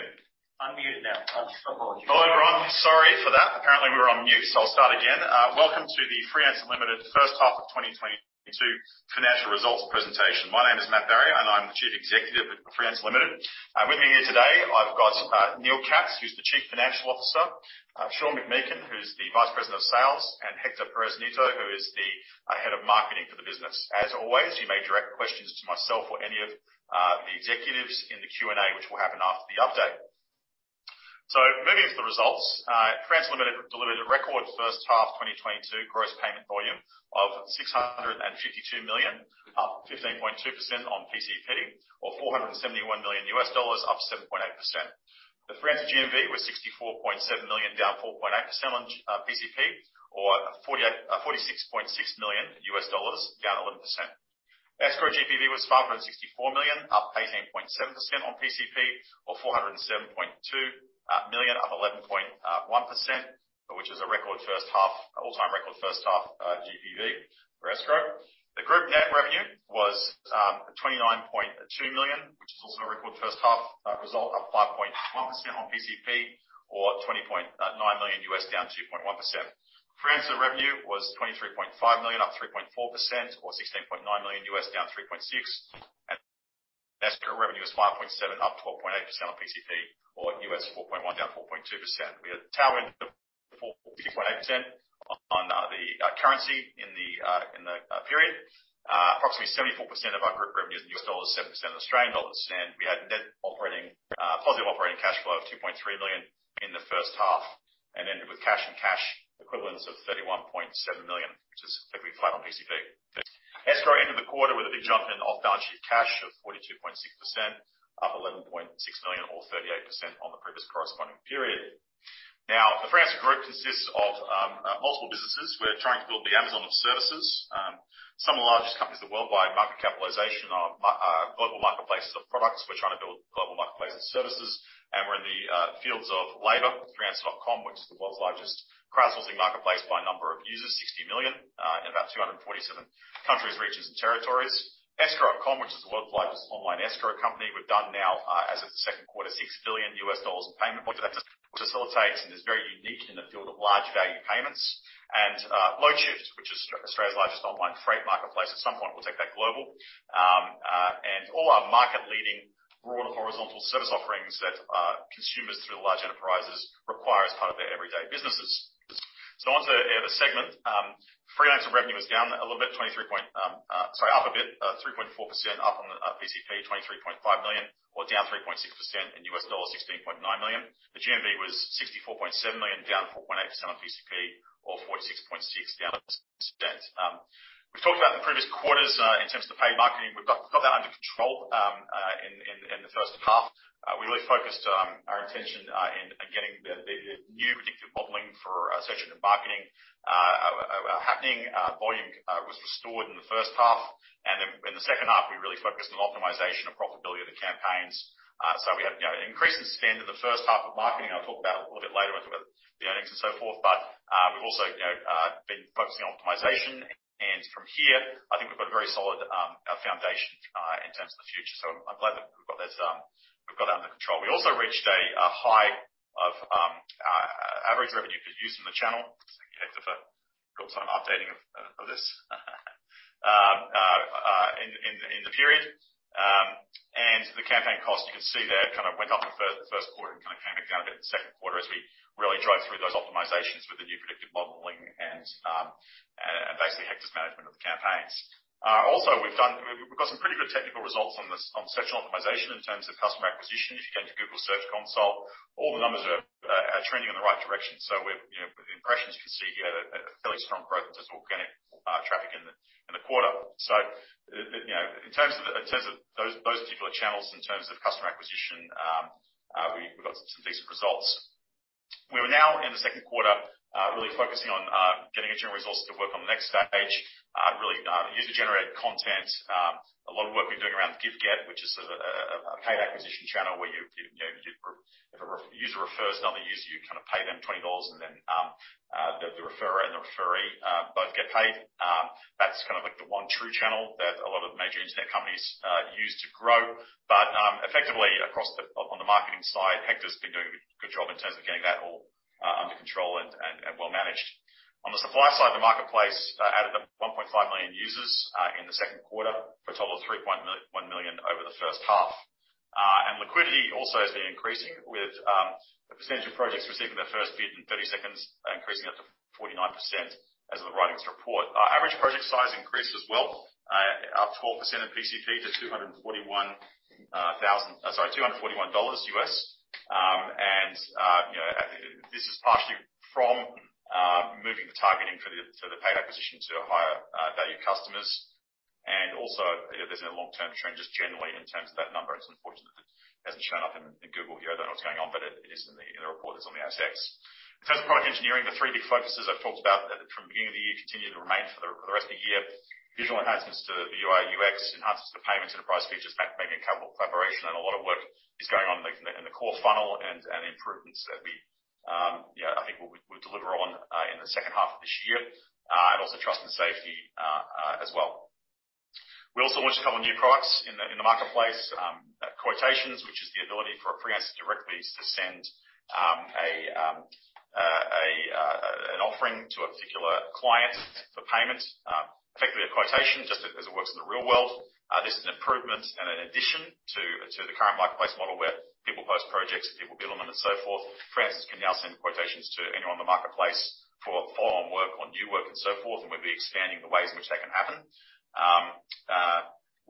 Hello, everyone. Sorry for that. Apparently, we were on mute, so I'll start again. Welcome to the Freelancer Limited first half of 2022 Financial results presentation. My name is Matt Barrie, and I'm the Chief Executive of Freelancer Limited. With me here today, I've got Neil Katz, who's the Chief Financial Officer, Sean McMeekin, who's the Vice President of Sales, and Hector Perez-Nieto, who is the Head of Marketing for the business. As always, you may direct questions to myself or any of the executives in the Q&A, which will happen after the update. Moving into the results, Freelancer Limited delivered a record first half 2022 gross payment volume of 652 million, up 15.2% on PCP or $471 million, up 7.8%. The Freelancer GMV was 64.7 million, down 4.8% on PCP or $46.6 million, down 11%. Escrow GPV was 564 million, up 18.7% on PCP or 407.2 million, up 11.1%, which is a record first half, all-time record first half GPV for Escrow. The group net revenue was 29.2 million, which is also a record first half result, up 5.1% on PCP, or $20.9 million, down 2.1%. Freelancer revenue was 23.5 million, up 3.4%, or $16.9 million, down 3.6%. Escrow revenue is 5.7%, up 12.8% on PCP or $4.1, down 4.2%. We had a tailwind of 4.8% on the currency in the period. Approximately 74% of our group revenue is in U.S. dollars, 7% in Australian dollars. We had net operating cash flow of 2.3 million in the first half, and ended with cash and cash equivalents of 31.7 million, which is effectively flat on PCP. Escrow ended the quarter with a big jump in off-balance-sheet cash of 42.6%, up 11.6 million or 38% on the previous corresponding period. Now, the Freelancer group consists of multiple businesses. We're trying to build the Amazon of services. Some of the largest companies in the worldwide market capitalization are global marketplaces of products. We're trying to build global marketplaces of services. We're in the fields of labor with Freelancer.com, which is the world's largest crowdsourcing marketplace by number of users, 60 million, in about 247 countries, regions, and territories. Escrow.com, which is the world's largest online escrow company. We've done now, as of the Q2, $6 billion in payment volume that facilitates and is very unique in the field of large value payments. Loadshift, which is Australia's largest online freight marketplace. At some point, we'll take that global. All our market leading broad horizontal service offerings that consumers through the large enterprises require as part of their everyday businesses. On to the other segment. Freelancer revenue is up a little bit, 3.4% up on PCP, 23.5 million or down 3.6% in U.S. dollars, $16.9 million. The GMV was 64.7 million, down 4.8% on PCP or $46.6 million, down 11%. We've talked about in the previous quarters in terms of the paid marketing. We've got that under control in the first half. We really focused our attention in getting the new predictive modeling for search engine marketing happening. Volume was restored in the first half, and then in the second half, we really focused on optimization and profitability of the campaigns. We had, you know, an increase in spend in the first half of marketing. I'll talk about a little bit later when I talk about the earnings and so forth. We've also, you know, been focusing on optimization. From here, I think we've got a very solid foundation in terms of the future. I'm glad that we've got this, we've got that under control. We also reached a high of average revenue per user in the channel. Thank you, Hector, for doing some updating of this in the period. The campaign cost, you can see there, kind of went up in the Q1 and kind of came back down a bit in the Q2 as we really drove through those optimizations with the new predictive modeling and basically Hector's management of the campaigns. Also we've got some pretty good technical results on the search engine optimization in terms of customer acquisition. If you go into Google Search Console, all the numbers are trending in the right direction. We're, you know, with the impressions, you can see here that a fairly strong growth in terms of organic traffic in the quarter. You know, in terms of those particular channels, in terms of customer acquisition, we got some decent results. We are now in the Q2, really focusing on getting engineering resources to work on the next stage, really user-generated content. A lot of work we're doing around Give-Get, which is a paid acquisition channel where you know if a user refers another user, you kind of pay them $20 and then the referrer and the referee both get paid. That's kind of like the one true channel that a lot of major internet companies use to grow. Effectively on the marketing side, Hector's been doing a good job in terms of getting that all under control and well managed. On the supply side, the marketplace added 1.5 million users in the Q2 for a total of 3.1 million over the first half. Liquidity also has been increasing with the percentage of projects receiving their first bid in thirty seconds increasing up to 49% as of the writing of this report. Our average project size increased as well, up 12% PCP to $241. You know, I think this is partially from moving the targeting for the paid acquisition to higher value customers. Also, you know, there's been a long-term trend just generally in terms of that number. It's unfortunate that it hasn't shown up in Google here. I don't know what's going on, but it is in the report that's on the ASX. In terms of product engineering, the three big focuses I've talked about from the beginning of the year continue to remain for the rest of the year, visual enhancements to the UI, UX, enhancements to payments, enterprise features, Mac, maybe accountable collaboration, and a lot of work is going on in the core funnel and improvements that we you know I think we'll deliver on in the second half of this year. Also trust and safety, as well. We also launched a couple of new products in the marketplace, Quotations, which is the ability for a freelancer directly to send an offering to a particular client for payment, effectively a quotation, just as it works in the real world. This is an improvement and an addition to the current marketplace model where people post projects, and people bid on them and so forth. Freelancers can now send quotations to anyone in the marketplace for follow-on work or new work and so forth, and we'll be expanding the ways in which that can happen.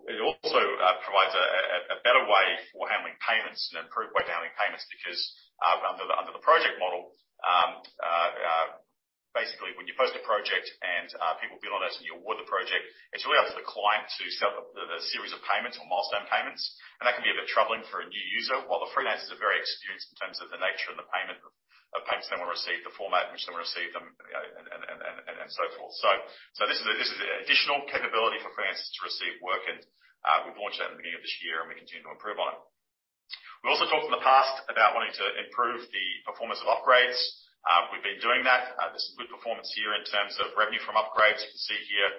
It also provides a better way for handling payments, an improved way of handling payments because under the project model, basically when you post a project and people bid on it, and you award the project, it's really up to the client to set up the series of payments or milestone payments. That can be a bit troubling for a new user. While the freelancers are very experienced in terms of the nature of the payment, of payments they want to receive, the format in which they want to receive them, and so forth. This is an additional capability for freelancers to receive work and we launched that at the beginning of this year, and we continue to improve on. We also talked in the past about wanting to improve the performance of upgrades. We've been doing that. There's some good performance here in terms of revenue from upgrades. You can see here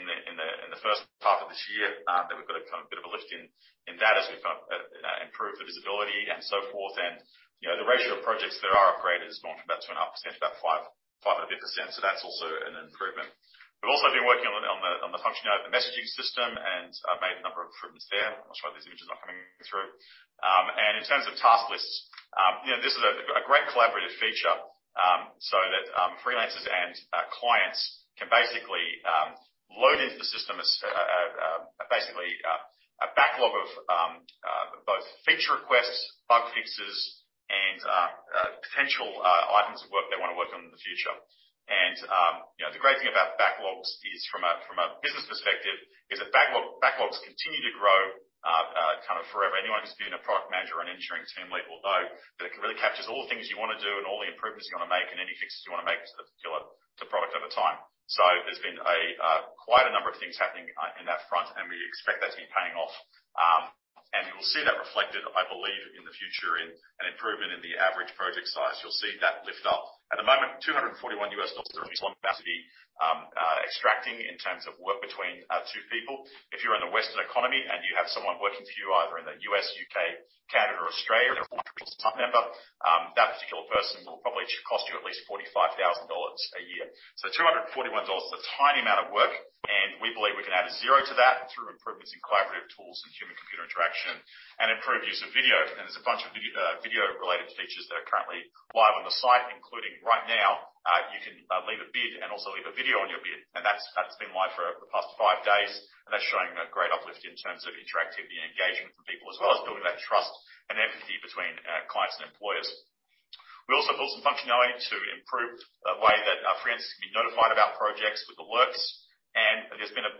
in the first half of this year, that we've got a kind of bit of a lift in that as we've got improved the visibility and so forth. You know, the ratio of projects that are upgraded has gone from about 2.5% to about 5.5%. That's also an improvement. We've also been working on the functionality of the messaging system and made a number of improvements there. Not sure why these images are not coming through. In terms of task lists, you know, this is a great collaborative feature, so that freelancers and clients can basically load into the system basically a backlog of both feature requests, bug fixes and potential items of work they wanna work on in the future. You know, the great thing about backlogs is from a business perspective, is that backlogs continue to grow kind of forever. Anyone who's been a product manager or an engineering team lead will know that it really captures all the things you wanna do and all the improvements you wanna make and any fixes you wanna make to the particular to the product over time. There's been quite a number of things happening in that front, and we expect that to be paying off. You will see that reflected, I believe, in the future in an improvement in the average project size. You'll see that lift up. At the moment, $241 is a reasonable amount to be extracting in terms of work between two people. If you're in the Western economy and you have someone working for you, either in the U.S., U.K., Canada, or Australia, they're a full-time member, that particular person will probably cost you at least $45,000 a year. $241 is a tiny amount of work, and we believe we can add a zero to that through improvements in collaborative tools and human-computer interaction and improved use of video. There's a bunch of video-related features that are currently live on the site, including right now, you can leave a bid and also leave a video on your bid. That's been live for the past five days. That's showing a great uplift in terms of interactivity and engagement from people, as well as building that trust and empathy between clients and employers. We also built some functionality to improve the way that our freelancers can be notified about projects with alerts. There's been a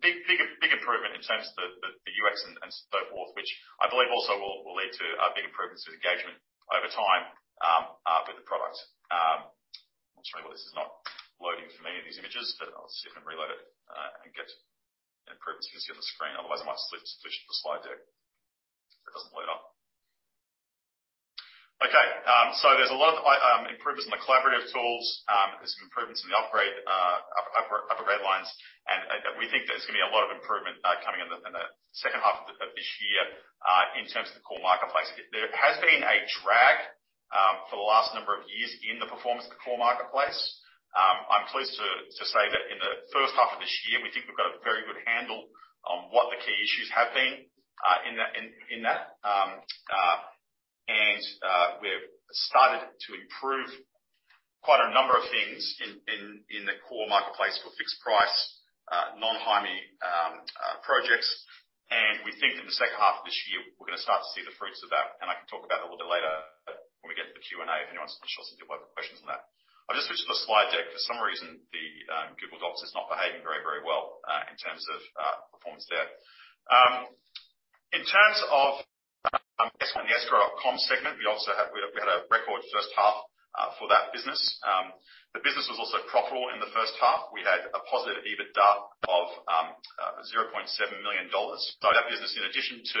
big improvement in terms of the UX and so forth, which I believe also will lead to big improvements to the engagement over time with the product. I'm not sure why this is not loading for me in these images, but I'll see if I can reload it and get improvements for this other screen. Otherwise, I might switch the slide deck if it doesn't load up. Okay. There's a lot of improvements in the collaborative tools. There's some improvements in the upgrade lines, and we think there's gonna be a lot of improvement coming in the second half of this year in terms of the core marketplace. There has been a drag for the last number of years in the performance of the core marketplace. I'm pleased to say that in the first half of this year, we think we've got a very good handle on what the key issues have been in that. We've started to improve quite a number of things in the core marketplace for fixed price non-hiring projects. We think in the second half of this year, we're gonna start to see the fruits of that. I can talk about that a little bit later when we get to the Q&A if anyone's interested. I'm sure some people have questions on that. I'll just switch to the slide deck. For some reason, the Google Docs is not behaving very, very well in terms of performance there. In terms of Escrow.com segment, we had a record first half for that business. The business was also profitable in the first half. We had a positive EBITDA of 0.7 million dollars. That business, in addition to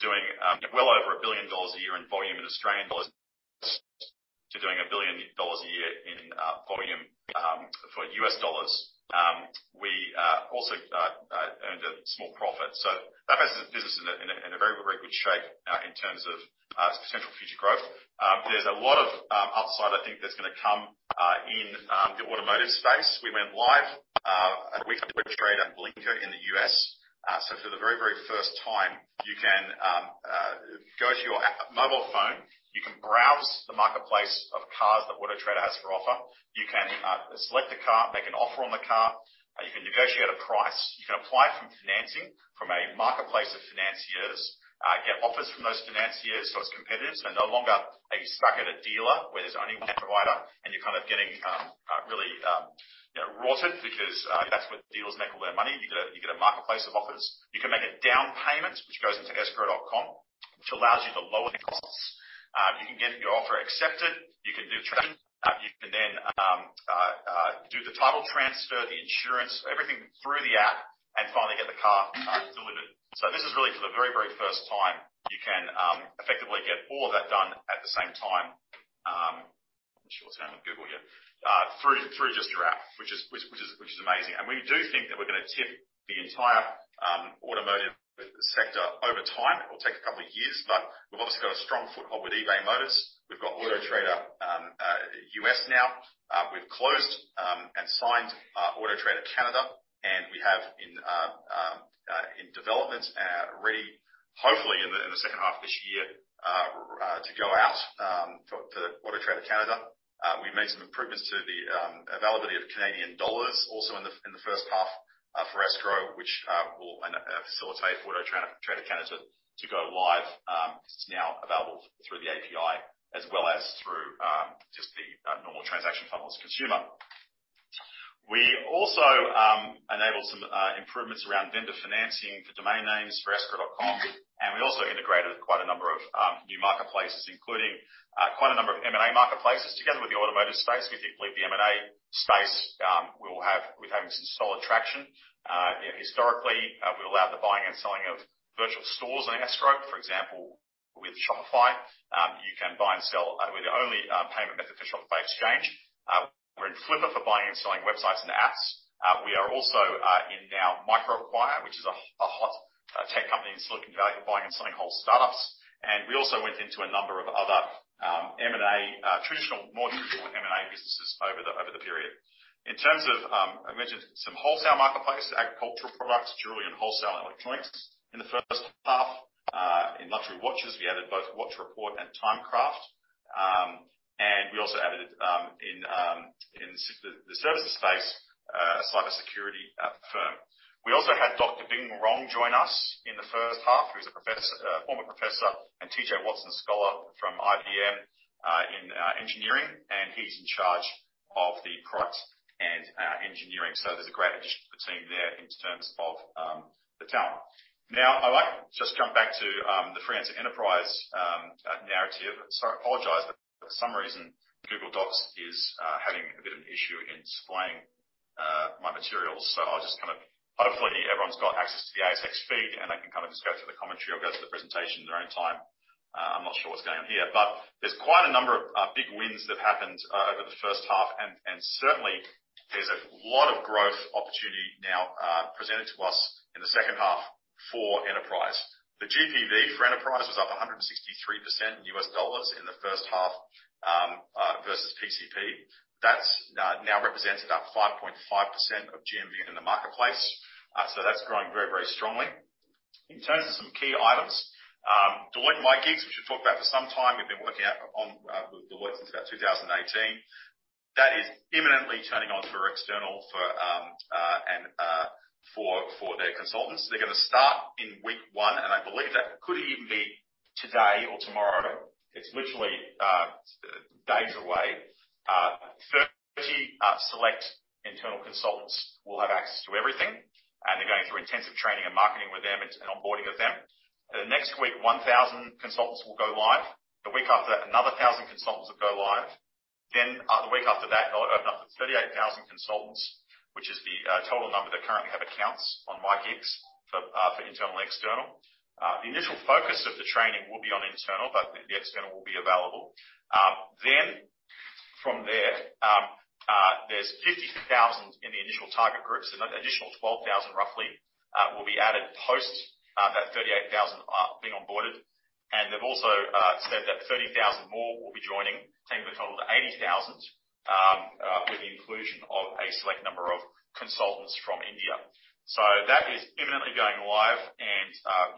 doing well over 1 billion dollars a year in volume in Australian dollars, to doing $1 billion a year in volume for US dollars, we also earned a small profit. That business is in a very, very good shape in terms of potential future growth. There's a lot of upside I think that's gonna come in the automotive space. We went live a week ago with Autotrader and Blinker in the U.S. For the very, very first time, you can go to your mobile phone, you can browse the marketplace of cars that Autotrader has for offer. You can select a car, make an offer on the car, you can negotiate a price. You can apply for financing from a marketplace of financiers, get offers from those financiers so it's competitive. No longer are you stuck at a dealer where there's only one provider, and you're kind of getting really you know rorted because that's where dealers make all their money. You get a marketplace of offers. You can make a down payment which goes into Escrow.com, which allows you to lower the costs. You can get your offer accepted. You can do trade. You can then do the title transfer, the insurance, everything through the app and finally get the car delivered. This is really for the very, very first time you can effectively get all of that done at the same time. What's going on with Google here? Through just your app, which is amazing. We do think that we're gonna tip the entire automotive sector over time. It will take a couple of years, but we've obviously got a strong foothold with eBay Motors. We've got Autotrader U.S. now. We've closed and signed AutoTrader.ca, and we have in development and ready, hopefully in the second half of this year, to go out for the AutoTrader.ca. We made some improvements to the availability of Canadian dollars also in the first half for Escrow.com, which will facilitate AutoTrader.ca to go live. It's now available through the API as well as through just the normal transaction funnel as a consumer. We also enabled some improvements around vendor financing for domain names for Escrow.com. We also integrated quite a number of new marketplaces, including quite a number of M&A marketplaces. Together with the automotive space, we believe the M&A space, we're having some solid traction. Historically, we allowed the buying and selling of virtual stores on Escrow. For example, with Shopify, you can buy and sell. We're the only payment method for Shopify Exchange. We're in Flippa for buying and selling websites and apps. We are also now in MicroAcquire, which is a hot tech company in Silicon Valley for buying and selling whole startups. We also went into a number of other M&A traditional, more traditional M&A businesses over the period. In terms of, I mentioned some wholesale marketplaces, agricultural products, jewelry, and wholesale electronics. In the first half, in luxury watches, we added both WatchReport and Timecraft. We also added in the services space a cybersecurity firm. We also had Dr. Bing Rong joined us in the first half. He's a professor, former professor and T.J. Watson Scholar from IBM in engineering, and he's in charge of the product and engineering. There's a great team there in terms of the talent. Now, I'd like just to come back to the Freelancer enterprise narrative. Sorry, I apologize, but for some reason, Google Docs is having a bit of an issue in displaying my materials, so I'll just kind of. Hopefully, everyone's got access to the ASX feed, and they can kind of just go through the commentary or go to the presentation in their own time. I'm not sure what's going on here. There's quite a number of big wins that happened over the first half. Certainly there's a lot of growth opportunity now presented to us in the second half for enterprise. The GPV for enterprise was up 163% in U.S. dollars in the first half versus PCP. That now represents about 5.5% of GMV in the marketplace. So that's growing very strongly. In terms of some key items, Deloitte MyGigs, which we've talked about for some time, we've been working on with Deloitte since about 2018. That is imminently turning on for external and for their consultants. They're gonna start in week one, and I believe that could even be today or tomorrow. It's literally days away. 30 select internal consultants will have access to everything, and they're going through intensive training and marketing with them. It's an onboarding of them. The next week, 1,000 consultants will go live. The week after that, another 1,000 consultants will go live. The week after that, they'll open up to 38,000 consultants, which is the total number that currently have accounts on MyGigs for internal and external. The initial focus of the training will be on internal, but the external will be available. From there's 50,000 in the initial target group. An additional 12,000 roughly will be added post that 38,000 being onboarded. They've also said that 30,000 more will be joining, taking the total to 80,000, with the inclusion of a select number of consultants from India. That is imminently going live.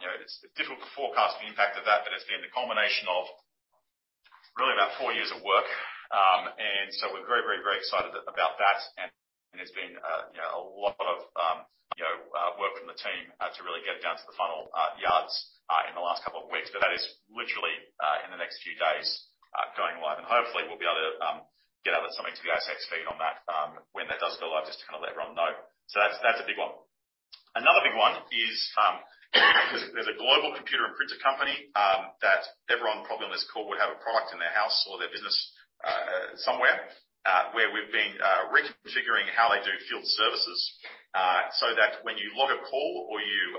You know, it's difficult to forecast the impact of that, but it's been the culmination of really about four years of work. We're very excited about that. It's been, you know, a lot of, you know, work from the team to really get it down to the final yards in the last couple of weeks. That is literally in the next few days going live. Hopefully, we'll be able to get out something to the ASX feed on that when that does go live, just to kind of let everyone know. That's a big one. Another big one is, there's a global computer and printer company that everyone probably on this call would have a product in their house or their business somewhere, where we've been reconfiguring how they do field services, so that when you log a call or you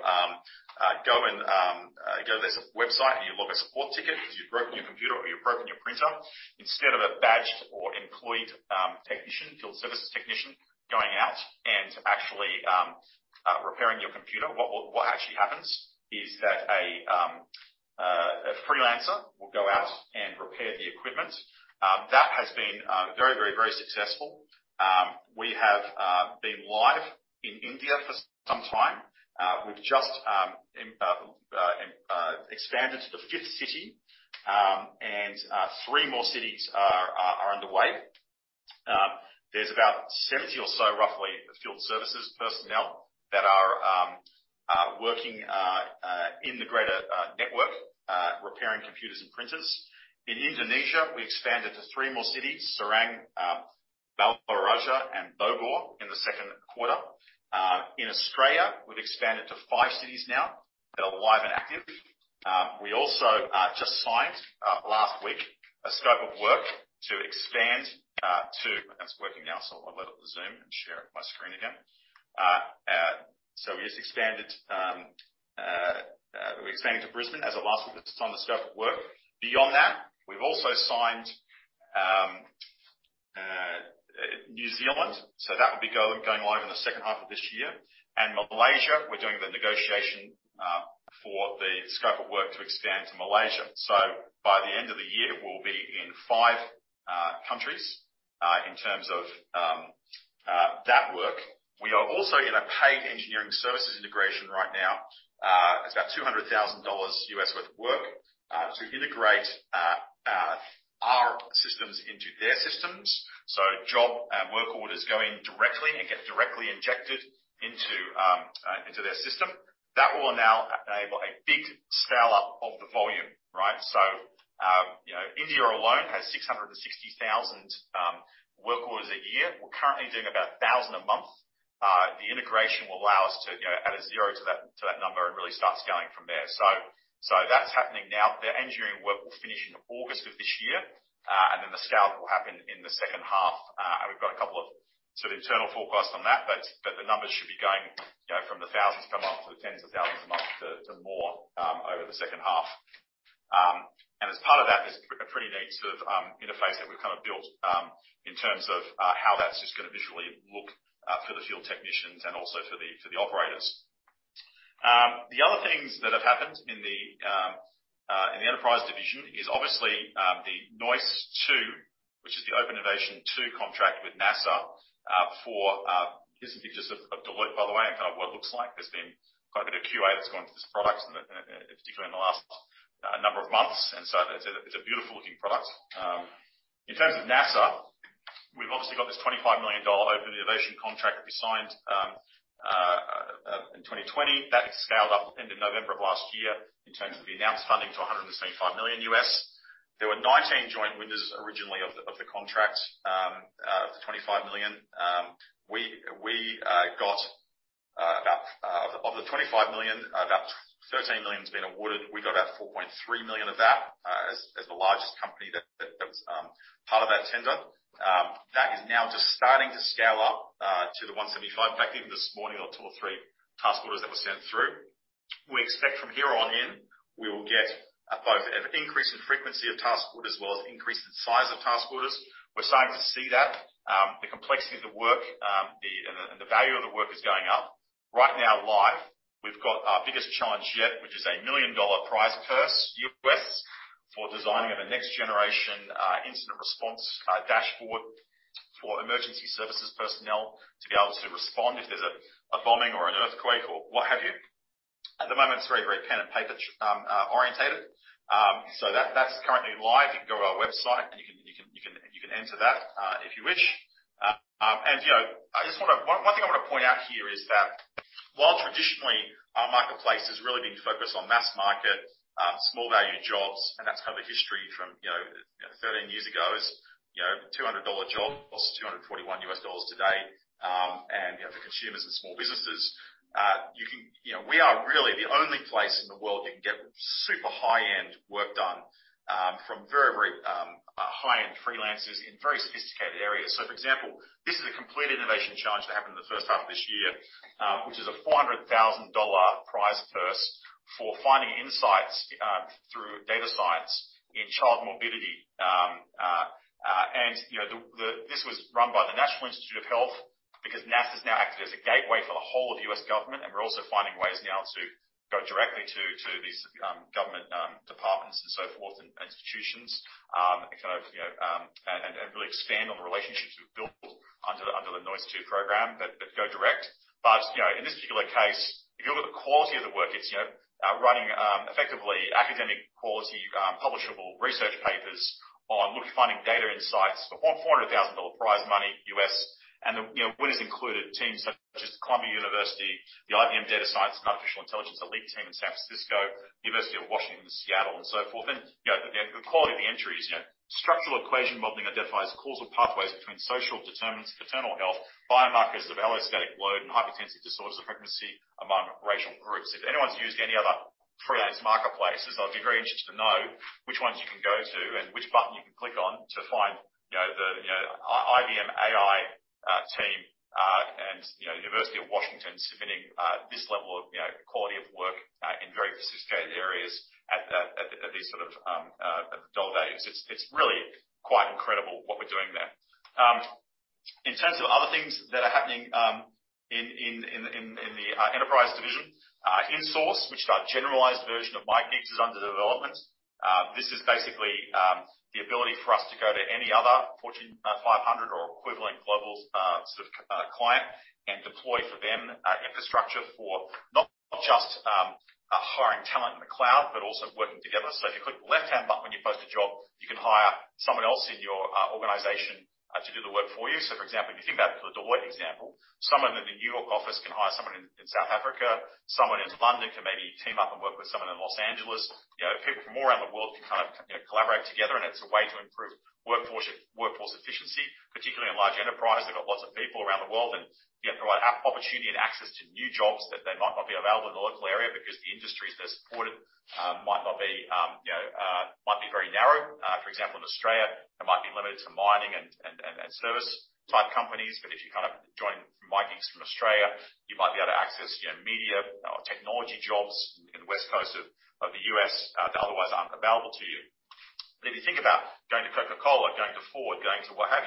go and go to their website and you log a support ticket 'cause you've broken your computer or you've broken your printer. Instead of a badged or employed technician, field services technician going out and actually repairing your computer, what actually happens is that a freelancer will go out and repair the equipment. That has been very successful. We have been live in India for some time. We've just expanded to the fifth city, and three more cities are underway. There's about 70 or so, roughly, field services personnel that are working in the greater network repairing computers and printers. In Indonesia, we expanded to three more cities, Serang, Balikpapan, and Bogor in the Q2. In Australia, we've expanded to five cities now that are live and active. We also just signed last week a scope of work to expand to. That's working now, so I'll load up the Zoom and share my screen again. So we just expanded. We're expanding to Brisbane as of last week. That's on the scope of work. Beyond that, we've also signed New Zealand, so that will be going live in the second half of this year. Malaysia, we're doing the negotiation for the scope of work to expand to Malaysia. By the end of the year, we'll be in five countries in terms of that work. We are also in a paid engineering services integration right now. It's about $200,000 worth of work to integrate our systems into their systems. Job work orders go in directly and get directly injected into their system. That will now enable a big scale-up of the volume, right? You know, India alone has 660,000 work orders a year. We're currently doing about 1,000 a month. The integration will allow us to, you know, add a zero to that number and really start scaling from there. That's happening now. The engineering work will finish in August of this year, and then the scale-up will happen in the second half. We've got a couple of sort of internal forecasts on that, but the numbers should be going, you know, from the thousands per month to the tens of thousands a month to more over the second half. As part of that, there's a pretty neat sort of interface that we've kinda built in terms of how that's just gonna visually look for the field technicians and also for the operators. The other things that have happened in the enterprise division is obviously the NOIS2, which is the Open Innovation Services 2 contract with NASA for, here are some pictures of Deloitte, by the way, and kind of what it looks like. There's been quite a bit of QA that's gone through this product and particularly in the last number of months. It's a beautiful looking product. In terms of NASA, we've obviously got this $25 million open innovation contract that we signed in 2020. That scaled up end of November of last year in terms of the announced funding to $175 million. There were 19 joint winners originally of the contract out of the $25 million. We got about, of the 25 million, about 13 million has been awarded. We got about 4.3 million of that, as the largest company that was part of that tender. That is now just starting to scale up to the 175 million. In fact, even this morning, there were two or three task orders that were sent through. We expect from here on in we will get both an increase in frequency of task orders as well as increase in size of task orders. We're starting to see that. The complexity of the work and the value of the work is going up. Right now, live, we've got our biggest challenge yet, which is a $1 million prize purse for designing of a next generation incident response dashboard for emergency services personnel to be able to respond if there's a bombing or an earthquake or what have you. At the moment, it's very, very pen-and-paper oriented. That's currently live. You can go to our website and you can enter that if you wish. You know, I just wanna. One thing I want to point out here is that while traditionally our marketplace has really been focused on mass market, small value jobs, and that's kind of the history from, you know, 13 years ago is, you know, $200 job cost $241 today, and, you know, for consumers and small businesses. You know, we are really the only place in the world you can get super high-end work done from very high-end freelancers in very sophisticated areas. For example, this is a complete innovation challenge that happened in the first half of this year, which is a $400,000 prize purse for finding insights through data science in child morbidity. This was run by the National Institutes of Health because NASA's now acted as a gateway for the whole of U.S. government, and we're also finding ways now to go directly to these government departments and so forth, and institutions, and kind of you know and really expand on the relationships we've built under the NOIS2 program that go direct. You know in this particular case, if you look at the quality of the work, it's you know running effectively academic quality publishable research papers on finding data insights for $400,000 prize money. The you know winners included teams such as Columbia University, the IBM Data Science and AI Elite Team in San Francisco, University of Washington, Seattle, and so forth. You know, the quality of the entries, you know. Structural equation modeling identifies causal pathways between social determinants of paternal health, biomarkers of allostatic load, and hypertensive disorders of pregnancy among racial groups. If anyone's used any other freelance marketplaces, I'd be very interested to know which ones you can go to and which button you can click on to find, you know, the IBM AI team, and University of Washington submitting this level of quality of work in very sophisticated areas at these sort of dollar values. It's really quite incredible what we're doing there. In terms of other things that are happening in the enterprise division, InSource, which is our generalized version of MyGigs, is under development. This is basically the ability for us to go to any other Fortune 500 or equivalent global sort of client and deploy for them infrastructure for not just hiring talent in the cloud, but also working together. If you click the left-hand button when you post a job, you can hire someone else in your organization to do the work for you. For example, if you think back to the Deloitte example, someone in the New York office can hire someone in South Africa, someone in London can maybe team up and work with someone in Los Angeles. You know, people from all around the world can kind of collaborate together, and it's a way to improve workforce efficiency, particularly in large enterprise. They've got lots of people around the world and, you know, provide opportunity and access to new jobs that they might not be available in the local area because the industries they're supported, might not be, you know, might be very narrow. For example, in Australia, it might be limited to mining and service type companies. If you kind of join from MyGigs from Australia, you might be able to access, you know, media or technology jobs in the West Coast of the U.S., that otherwise aren't available to you. If you think about going to Coca-Cola, going to Ford, going to what have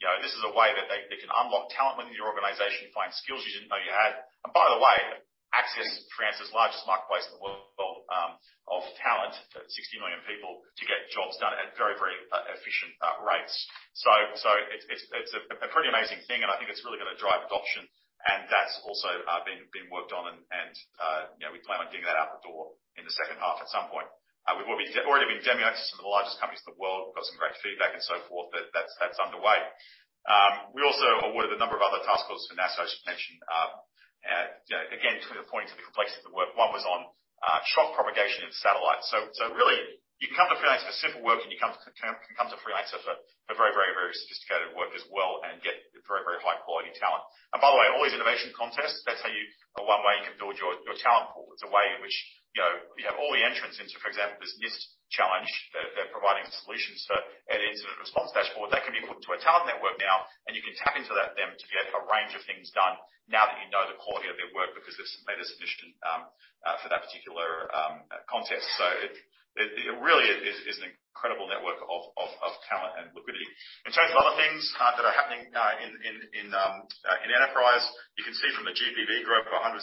you know, this is a way that they can unlock talent within your organization, find skills you didn't know you had. By the way, access Freelancer's largest marketplace in the world of talent, 60 million people to get jobs done at very efficient rates. It's a pretty amazing thing, and I think it's really gonna drive adoption. That's also being worked on and, you know, we plan on getting that out the door in the second half at some point. We've already been demoing to some of the largest companies in the world. We've got some great feedback and so forth. That's underway. We also awarded a number of other task orders for NASA, I just mentioned. You know, again, pointing to the complexity of the work, one was on shock propagation in satellites. Really, you can come to Freelancer for simple work, and you come to Freelancer for very sophisticated work as well and get very high-quality talent. By the way, all these innovation contests, that's the one way you can build your talent pool. It's a way in which, you know, you have all the entrants into, for example, this NIST challenge. They're providing solutions for an incident response dashboard that can be put into a talent network now, and you can tap into that then to get a range of things done now that you know the quality of their work because they've made a submission for that particular contest. It really is an incredible network of talent and liquidity. In terms of other things that are happening in enterprise, you can see from the GPV growth, 163%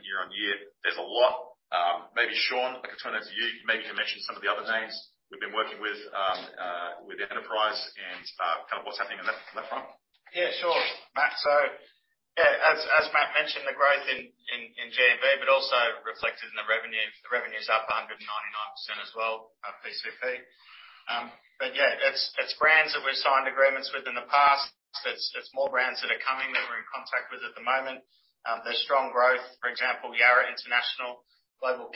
year-on-year. There's a lot. Maybe Sean, I can turn over to you. Maybe you can mention some of the other names we've been working with enterprise and kind of what's happening on that front. Yeah, sure, Matt. As Matt mentioned, the growth in GMV, but also reflected in the revenue. The revenue's up 199% as well, PCP. It's brands that we've signed agreements with in the past. It's more brands that are coming that we're in contact with at the moment. There's strong growth. For example, Yara International, global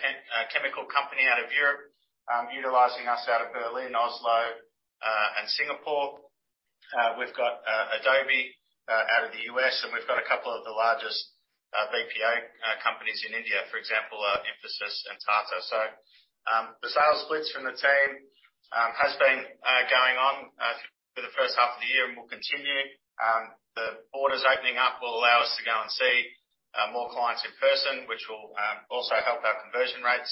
chemical company out of Europe, utilizing us out of Berlin, Oslo, and Singapore. We've got Adobe out of the U.S., and we've got a couple of the largest BPO companies in India, for example, Mphasis and Tata. The sales splits from the team has been going on for the first half of the year and will continue. The borders opening up will allow us to go and see more clients in person, which will also help our conversion rates.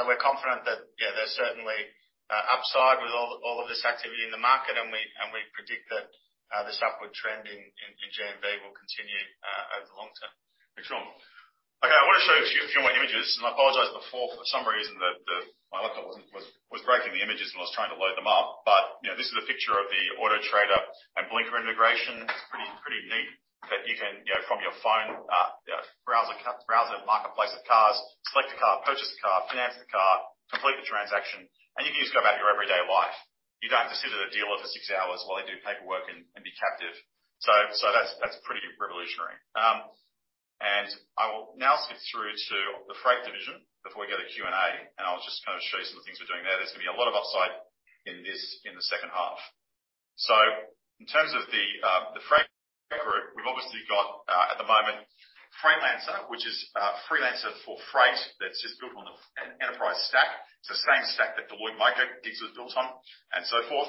We're confident that, yeah, there's certainly upside with all of this activity in the market, and we predict that this upward trend in GMV will continue over the long term. Thanks, Sean. Okay, I want to show you a few more images, and I apologize before. For some reason my laptop was breaking the images when I was trying to load them up. You know, this is a picture of the Autotrader and Blinker integration. It's pretty neat that you can, you know, from your phone, you know, browse a marketplace of cars, select a car, purchase the car, finance the car, complete the transaction, and you can just go about your everyday life. You don't have to sit at a dealer for six hours while they do paperwork and be captive. So that's pretty revolutionary. I will now skip through to the freight division before we go to Q&A, and I'll just kind of show you some of the things we're doing there. There's gonna be a lot of upside in this in the second half. In terms of the freight group, we've obviously got at the moment, Freightlancer, which is Freelancer for freight that's just built on an enterprise stack. It's the same stack that Deloitte MyGigs is built on and so forth.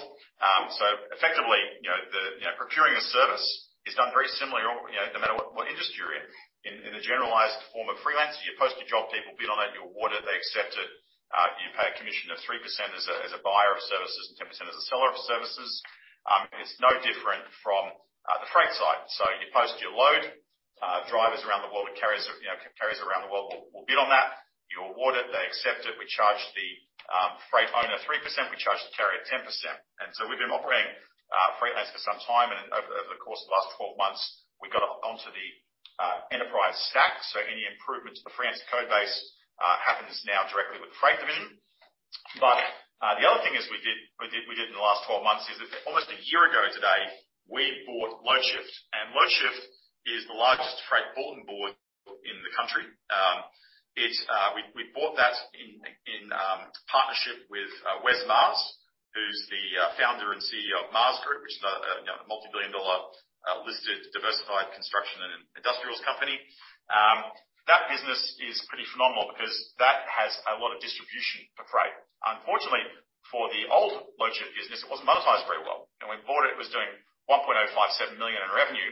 Effectively, you know, procuring a service is done very similarly or, you know, no matter what industry you're in. In the generalized form of Freelancer, you post your job, people bid on it, you award it, they accept it. You pay a commission of 3% as a buyer of services and 10% as a seller of services. It's no different from the freight side. You post your load, drivers around the world and carriers, you know, carriers around the world will bid on that. You award it, they accept it. We charge the freight owner 3%, we charge the carrier 10%. We've been operating Freightlancer for some time. Over the course of the last 12 months, we got onto the enterprise stack. Any improvements to the Freightlancer code base happens now directly with the freight division. The other thing is we did in the last 12 months is that almost a year ago today, we bought Loadshift. Loadshift is the largest freight bulletin board in the country. It's we bought that in partnership with Wes Maas, who's the founder and CEO of Maas Group, which is you know a multi-billion dollar listed diversified construction and industrials company. That business is pretty phenomenal because that has a lot of distribution for freight. Unfortunately for the old Loadshift business, it wasn't monetized very well. When we bought it was doing 1.057 million in revenue.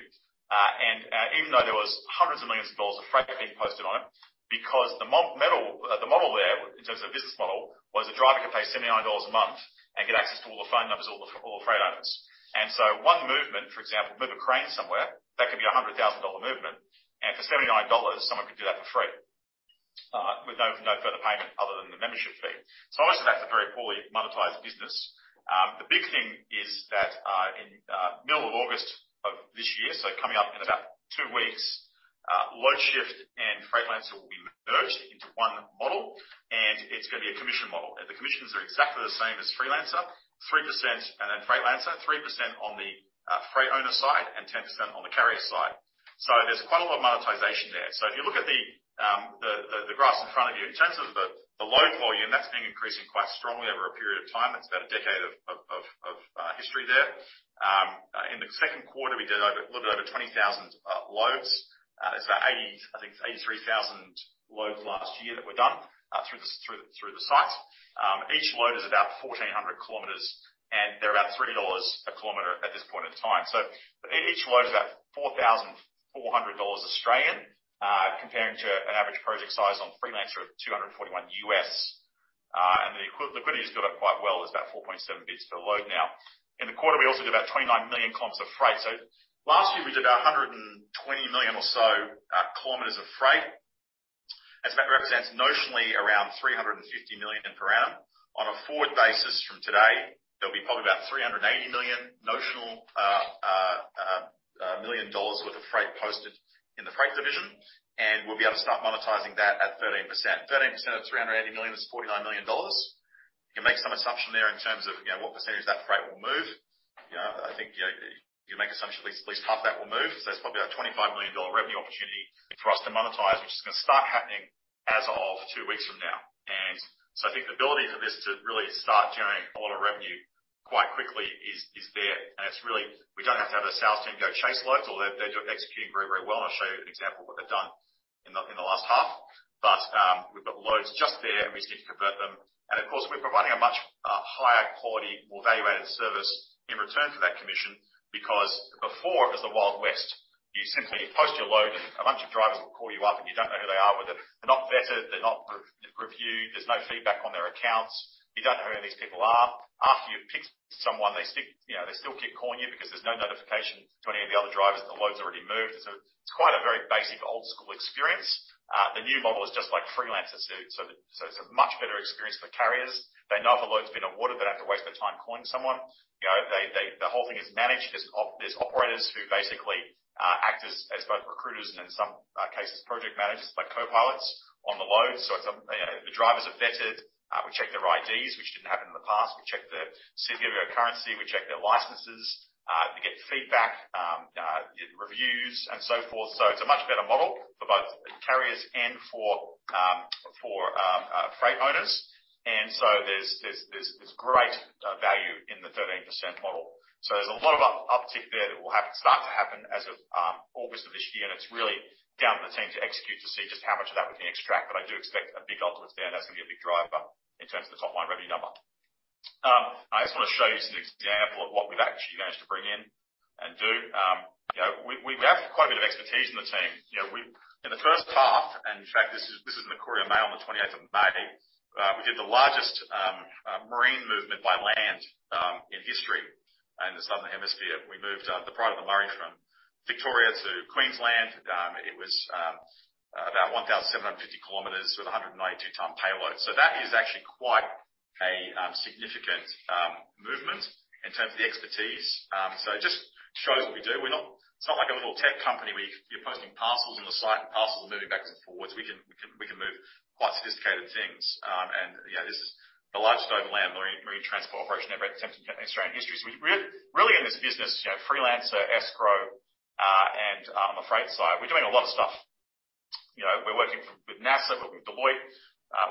Even though there was hundreds of millions of dollars of freight being posted on it, because the model there in terms of business model was a driver could pay $79 a month and get access to all the phone numbers of all the freight owners. One movement, for example, move a crane somewhere, that could be a 100,000 dollar movement. For 79 dollars, someone could do that for free, with no further payment other than the membership fee. Obviously, that's a very poorly monetized business. The big thing is that in middle of August of this year, coming up in about two weeks, Loadshift and Freightlancer will be merged into one model, and it's gonna be a commission model. The commissions are exactly the same as Freelancer, 3%. Then Freightlancer, 3% on the freight owner side and 10% on the carrier side. There's quite a lot of monetization there. If you look at the graphs in front of you, in terms of the load volume, that's been increasing quite strongly over a period of time. It's about a decade of history there. In the Q2, we did a little bit over 20,000 loads. It's about 83,000 loads last year that were done through the site. Each load is about 1,400 kilometers, and they're about 3 dollars a kilometer at this point in time. Each load is about 4,400 dollars, comparing to an average project size on Freelancer of $241. The liquidity has built up quite well. It's about 4.7 bids per load now. In the quarter, we also did about 29 million kilometers of freight. Last year, we did about 120 million or so kilometers of freight. That represents notionally around 350 million per annum. On a forward basis from today, there'll be probably about 380 million notional million dollars worth of freight posted in the freight division, and we'll be able to start monetizing that at 13%. 13% of 380 million is 49 million dollars. You can make some assumption there in terms of, you know, what percentage of that freight will move. You know, I think, you know, you make assumption at least half that will move. It's probably an 25 million dollar revenue opportunity for us to monetize, which is gonna start happening as of two weeks from now. I think the ability for this to really start generating a lot of revenue quite quickly is there. It's really, we don't have to have a sales team go chase loads, although they're executing very, very well, and I'll show you an example of what they've done in the last half. We've got loads just there, and we just need to convert them. Of course, we're providing a much higher quality, more value-added service in return for that commission because before it was the Wild West. You simply post your load, and a bunch of drivers will call you up, and you don't know who they are. Whether they're not vetted, they're not reviewed, there's no feedback on their accounts. You don't know who these people are. After you've picked someone, they stick, you know, they still keep calling you because there's no notification to any of the other drivers, the load's already moved. It's quite a very basic old school experience. The new model is just like Freelancer. It's a much better experience for the carriers. They know if a load's been awarded. They don't have to waste their time calling someone. You know, they the whole thing is managed. There's operators who basically act as both recruiters and in some cases, project managers, like copilots on the load. It's, you know, the drivers are vetted. We check their IDs, which didn't happen in the past. We check their certificate of currency. We check their licenses. We get feedback, reviews, and so forth. It's a much better model for both the carriers and for freight owners. There's great value in the 13% model. There's a lot of uptick there that will start to happen as of August of this year. It's really down to the team to execute to see just how much of that we can extract. I do expect a big uplift there, and that's gonna be a big driver in terms of the top-line revenue number. I just wanna show you an example of what we've actually managed to bring in and do. You know, we have quite a bit of expertise in the team. You know, in the first half, and in fact, this is the Macquarie Mail on the 28 May 2022. We did the largest marine movement by land in history in the Southern Hemisphere. We moved the Pride of the Murray from Victoria to Queensland. It was about 1,750 kilometers with a 192-ton payload. That is actually quite a significant movement in terms of the expertise. It just shows what we do. We're not. It's not like a little tech company where you're posting parcels on the site, and parcels are moving back and forwards. We can move quite sophisticated things. You know, this is the largest over land marine transport operation ever attempted in Australian history. We're really in this business, you know, Freelancer, Escrow, and on the freight side, we're doing a lot of stuff. You know, we're working with NASA, working with Deloitte.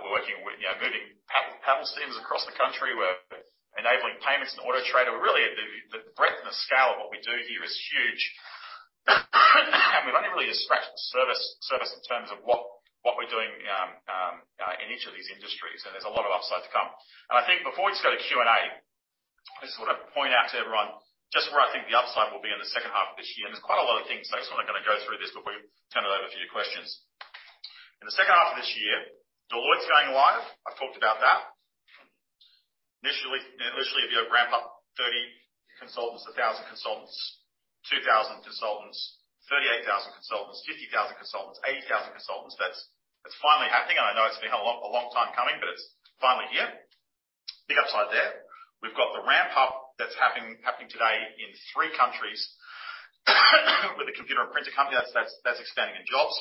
We're working with, you know, moving paddle steamers across the country. We're enabling payments in AutoTrader. We're really at the breadth and the scale of what we do here is huge. We've only really scratched the surface in terms of what we're doing in each of these industries. There's a lot of upside to come. I think before we just go to Q&A, I just wanna point out to everyone just where I think the upside will be in the second half of this year. There's quite a lot of things. I just wanna kinda go through this before we turn it over for your questions. In the second half of this year, Deloitte's going live. I've talked about that. Initially, if you ramp-up 30 consultants to 1,000 consultants, 2,000 consultants, 38,000 consultants, 50,000 consultants, 80,000 consultants, that's finally happening. I know it's been a long time coming, but it's finally here. Big upside there. We've got the ramp-up that's happening today in three countries with a computer and printer company. That's expanding in jobs.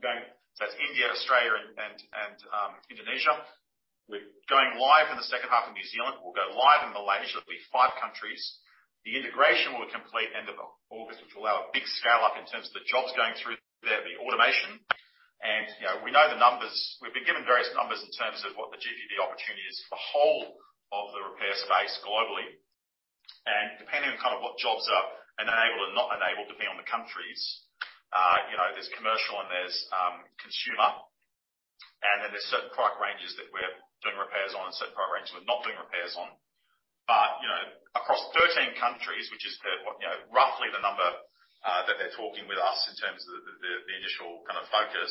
That's India, Australia, and Indonesia. We're going live in the second half in New Zealand. We'll go live in Malaysia. It'll be five countries. The integration will be complete end of August, which will allow a big scale up in terms of the jobs going through there, the automation. You know, we know the numbers. We've been given various numbers in terms of what the GDP opportunity is for the whole of the repair space globally. Depending on kind of what jobs are enabled and not enabled, depending on the countries, you know, there's commercial and there's consumer. Then there's certain product ranges that we're doing repairs on and certain product ranges we're not doing repairs on. You know, across 13 countries, which is the, what, you know, roughly the number that they're talking with us in terms of the initial kind of focus.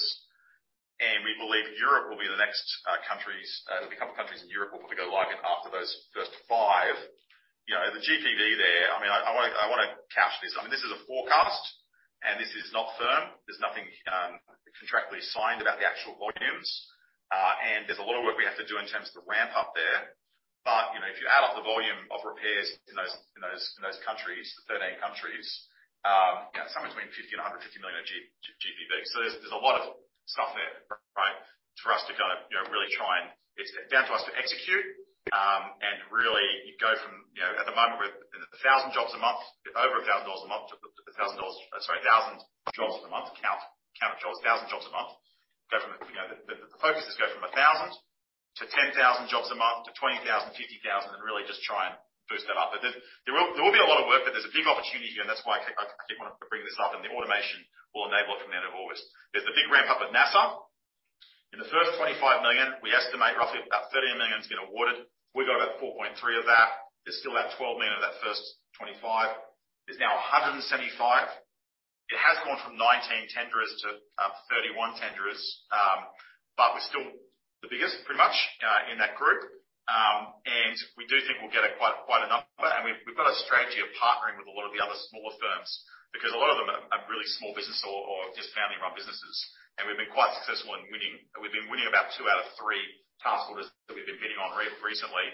We believe Europe will be the next countries. There'll be a couple of countries in Europe we'll probably go live in after those first five. You know, the GDP there, I wanna couch this. I mean, this is a forecast, and this is not firm. There's nothing contractually signed about the actual volumes. And there's a lot of work we have to do in terms of the ramp-up there. You know, if you add up the volume of repairs in those countries, the 13 countries, you know, somewhere between 50 million and 150 million of GDP. There's a lot of stuff there, right? For us to kinda, you know, really try and it's down to us to execute and really go from, you know, at the moment, we're at 1,000 jobs a month. If over 1,000 jobs a month, count of jobs, 1,000 jobs a month. The focus is to go from 1,000 to 10,000 jobs a month, to 20,000, 50,000, and really just try and boost that up. There will be a lot of work, but there's a big opportunity, and that's why I keep wanting to bring this up, and the automation will enable it from the end of August. There's the big ramp-up at NASA. In the first $25 million, we estimate roughly about $13 million has been awarded. We've got about $4.3 million of that. There's still about $12 million of that first $25 million. There's now $175 million. It has gone from 19 tenderers to 31 tenderers. We're still the biggest, pretty much, in that group. We do think we'll get quite a number. We've got a strategy of partnering with a lot of the other smaller firms because a lot of them are really small businesses or just family-run businesses. We've been quite successful in winning. We've been winning about two out of three task orders that we've been bidding on recently.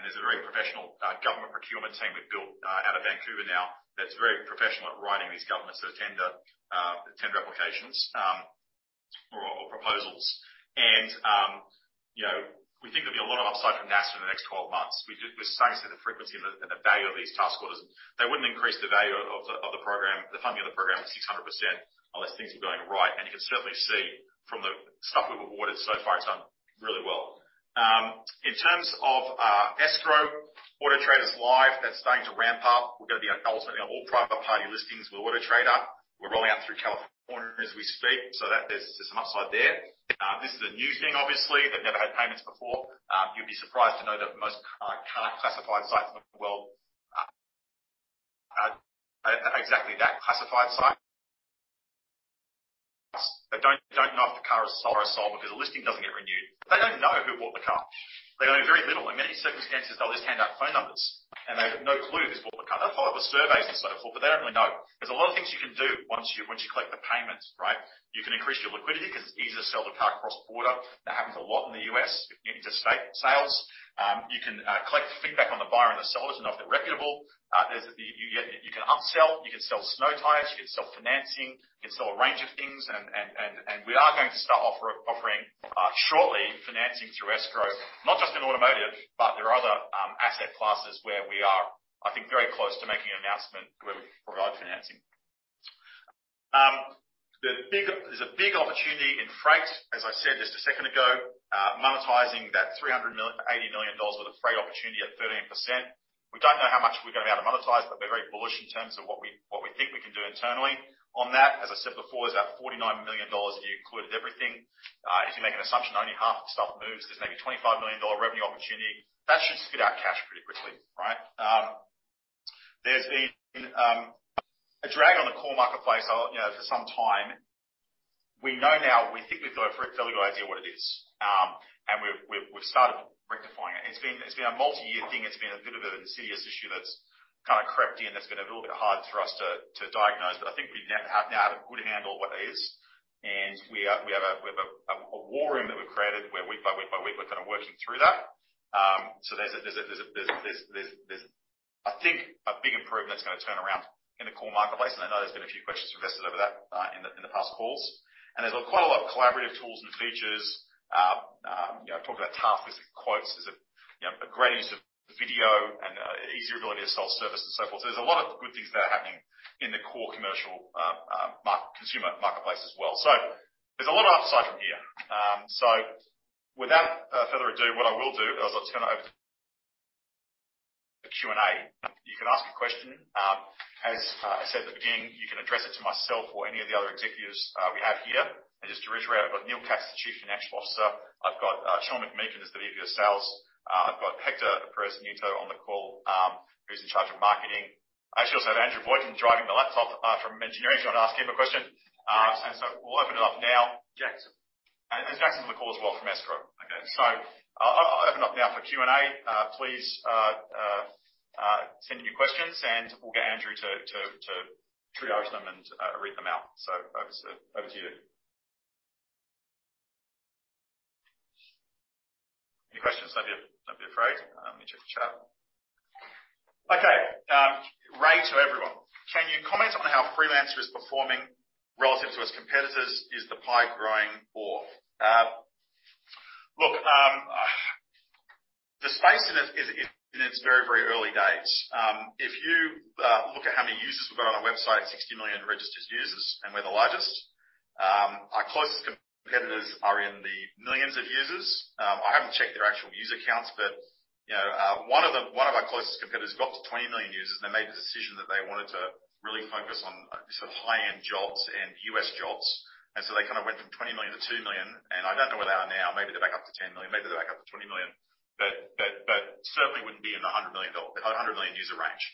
There's a very professional government procurement team we've built out of Vancouver now that's very professional at writing these government tender applications or proposals. You know, we think there'll be a lot of upside from NASA in the next twelve months. We're starting to see the frequency and the value of these task orders. They wouldn't increase the value of the program, the funding of the program 600% unless things were going right. You can certainly see from the stuff we've awarded so far, it's done really well. In terms of Escrow, Autotrader is live. That's starting to ramp-up. We're gonna be ultimately on all private party listings with Autotrader. We're rolling out through California as we speak, so there's some upside there. This is a new thing, obviously. They've never had payments before. You'd be surprised to know that most classified sites in the world are exactly that, classified sites. They don't know if the car is sold or not because the listing doesn't get renewed. They don't know who bought the car. They know very little. In many circumstances, they'll just hand out phone numbers, and they have no clue who's bought the car. They'll follow up with surveys and so forth, but they don't really know. There's a lot of things you can do once you collect the payments, right? You can increase your liquidity 'cause it's easier to sell the car across border. That happens a lot in the U.S. You can interstate sales. You can collect feedback on the buyer and the sellers to know if they're reputable. You can upsell. You can sell snow tires. You can sell financing. You can sell a range of things. We are going to start offering shortly financing through Escrow, not just in automotive, but there are other asset classes where we are, I think, very close to making an announcement where we provide financing. There's a big opportunity in freight, as I said just a second ago, monetizing that 80 million dollars worth of freight opportunity at 13%. We don't know how much we're gonna be able to monetize, but we're very bullish in terms of what we think we can do internally on that. As I said before, there's about 49 million dollars a year including everything. If you make an assumption only half the stuff moves, there's maybe 25 million-dollar revenue opportunity. That should spit out cash pretty quickly, right? There's been a drag on the core marketplace, you know, for some time. We think we've got a fairly good idea what it is. We've started rectifying it. It's been a multi-year thing. It's been a bit of an insidious issue that's kinda crept in. That's been a little bit hard for us to diagnose. I think we now have a good handle on what it is. We have a war room that we've created where week by week we're kinda working through that. There's I think a big improvement that's gonna turn around in the core marketplace. I know there's been a few questions from investors over that, in the past calls. There's quite a lot of collaborative tools and features. You know, talking about task-based quotes. There's you know a great use of video and easier ability to sell service and so forth. There's a lot of good things that are happening in the core commercial consumer marketplace as well. There's a lot of upside from here. Without further ado, what I will do is I'll just turn it over to Q&A. You can ask a question. As I said at the beginning, you can address it to myself or any of the other executives we have here. Just to reiterate, I've got Neil Katz, the Chief Financial Officer. I've got Sean McMeekin, who's the VP of Sales. I've got Hector Perez-Nieto on the call, who's in charge of marketing. I actually also have Andrew Bateman driving the laptop from engineering, if you wanna ask him a question. We'll open it up now. Jackson. Jackson's on the call as well from Escrow. Okay. I'll open up now for Q&A. Please send in your questions, and we'll get Andrew to triage them and read them out. Over to you. Any questions? Don't be afraid. Let me check the chat. Okay. Ray to everyone. Can you comment on how Freelancer is performing relative to its competitors? Is the pie growing or? Look, the space in it is in its very early days. If you look at how many users we've got on our website, 60 million registered users, and we're the largest. Our closest competitors are in the millions of users. I haven't checked their actual user counts, but you know, one of them, one of our closest competitors got to 20 million users, and they made the decision that they wanted to really focus on sort of high-end jobs and U.S. jobs. They kinda went from 20 million to two million. I don't know where they are now. Maybe they're back up to 10 million, maybe they're back up to 20 million. But certainly wouldn't be in the 100 million dollar, 100 million user range.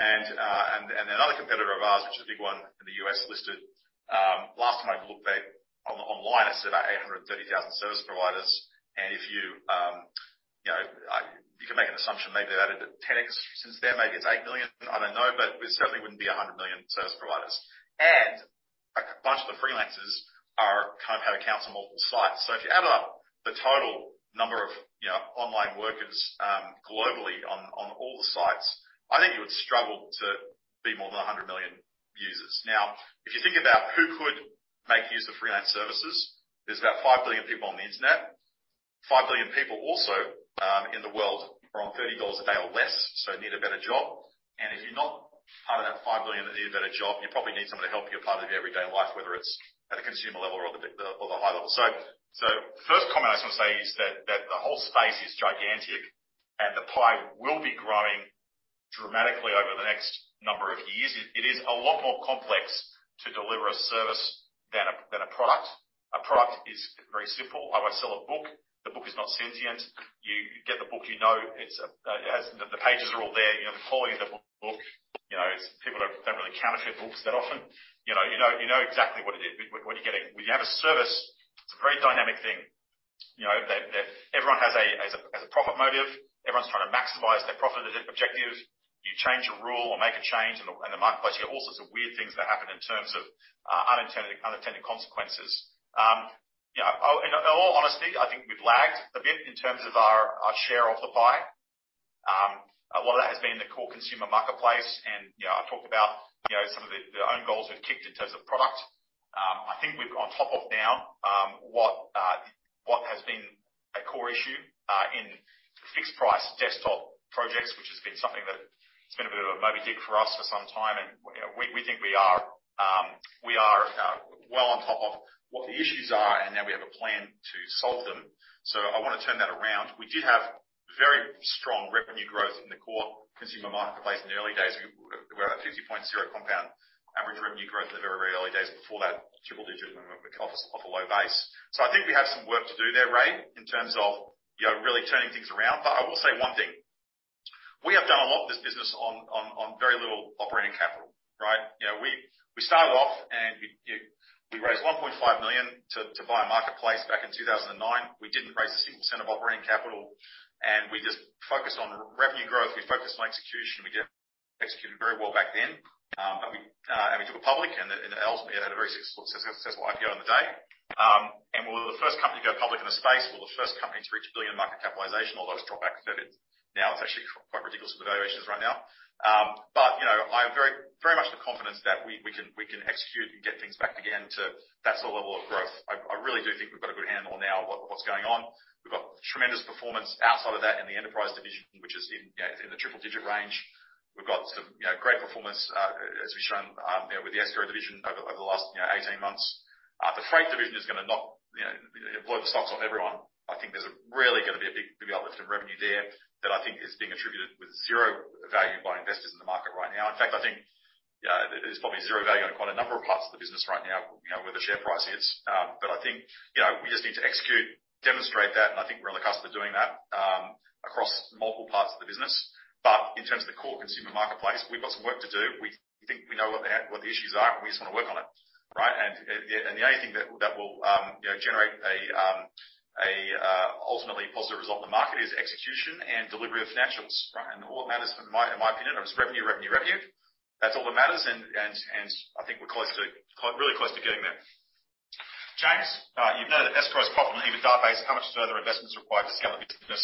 Another competitor of ours, which is a big one in the U.S. listed, last time I looked, online it said 830,000 service providers. If you know, you can make an assumption maybe they've added 10x since then, maybe it's eight million. I don't know, but it certainly wouldn't be 100 million service providers. A bunch of the freelancers are kinda have accounts on multiple sites. If you add up the total number of, you know, online workers, globally on all the sites, I think you would struggle to be more than 100 million users. Now, if you think about who could make use of freelance services, there's about five billion people on the internet. Five billion people also, in the world are on $30 a day or less, so need a better job. If you're not part of that five billion that need a better job, you probably need somebody to help you as part of your everyday life, whether it's at a consumer level or the big or the high level. First comment I just wanna say is that the whole space is gigantic and the pie will be growing dramatically over the next number of years. It is a lot more complex to deliver a service than a product. A product is very simple. I would sell a book. The book is not sentient. You get the book, you know, it has. The pages are all there. You know, the quality of the book, you know, it's people don't really counterfeit books that often. You know exactly what it is, what you're getting. When you have a service, it's a very dynamic thing. You know, that everyone has a profit motive. Everyone's trying to maximize their profit objectives. You change a rule or make a change in the marketplace, you get all sorts of weird things that happen in terms of unintended consequences. Yeah, in all honesty, I think we've lagged a bit in terms of our share of the pie. A lot of that has been in the core consumer marketplace. You know, I talked about you know some of the own goals we've kicked in terms of product. I think we've on top of now what has been a core issue in fixed price desktop projects, which has been something that has been a bit of a Moby Dick for us for some time. You know, we think we are well on top of what the issues are, and now we have a plan to solve them. I wanna turn that around. We did have very strong revenue growth in the core consumer marketplace in the early days. We're at 50.0% compound average revenue growth in the very early days before that triple digit movement off a low base. I think we have some work to do there, Ray, in terms of, you know, really turning things around. I will say one thing, we have done a lot of this business on very little operating capital, right? You know, we started off, and we raised 1.5 million to buy a marketplace back in 2009. We didn't raise a single cent of operating capital, and we just focused on revenue growth. We focused on execution. We did execute very well back then. We took it public, and the ASX, we had a very successful IPO on the day. We were the first company to go public in the space. We're the first company to reach 1 billion market capitalization, although it's dropped back a bit now. It's actually quite ridiculous with valuations right now. You know, I have very much the confidence that we can execute and get things back again to that sort of level of growth. I really do think we've got a good handle now on what's going on. We've got tremendous performance outside of that in the Enterprise Division, which is in the triple-digit range. We've got some great performance, as we've shown, with the Escrow Division over the last 18 months. The Freight Division is gonna blow the socks off everyone. I think there's really gonna be a big uplift in revenue there that I think is being attributed with zero value by investors in the market right now. In fact, I think there's probably zero value on quite a number of parts of the business right now, where the share price is. I think we just need to execute, demonstrate that, and I think we're on the cusp of doing that across multiple parts of the business. In terms of the core consumer marketplace, we've got some work to do. We think we know what the issues are, and we just wanna work on it, right? The only thing that will, you know, generate ultimately positive result in the market is execution and delivery of financials, right? All that matters in my opinion, it's revenue. That's all that matters. I think we're really close to getting there. James, you've noted that escrow is profitable on an EBITDA basis. How much further investments are required to scale the business?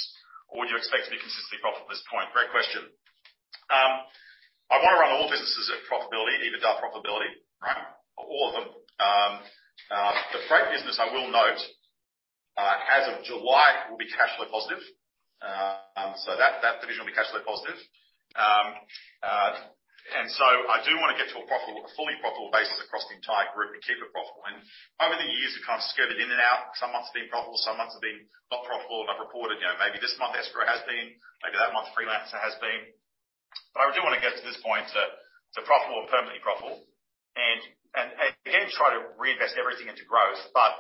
Or would you expect to be consistently profitable at this point? Great question. I wanna run all businesses at profitability, EBITDA profitability, right? All of them. The freight business, I will note, as of July, will be cash flow positive. So that division will be cash flow positive. I do wanna get to a profitable, a fully profitable basis across the entire group and keep it profitable. Over the years, we've kind of skirted in and out. Some months have been profitable, some months have been not profitable, and I've reported, you know, maybe this month Escrow has been, maybe that month Freelancer has been. I do wanna get to this point to profitable and permanently profitable and again, try to reinvest everything into growth, but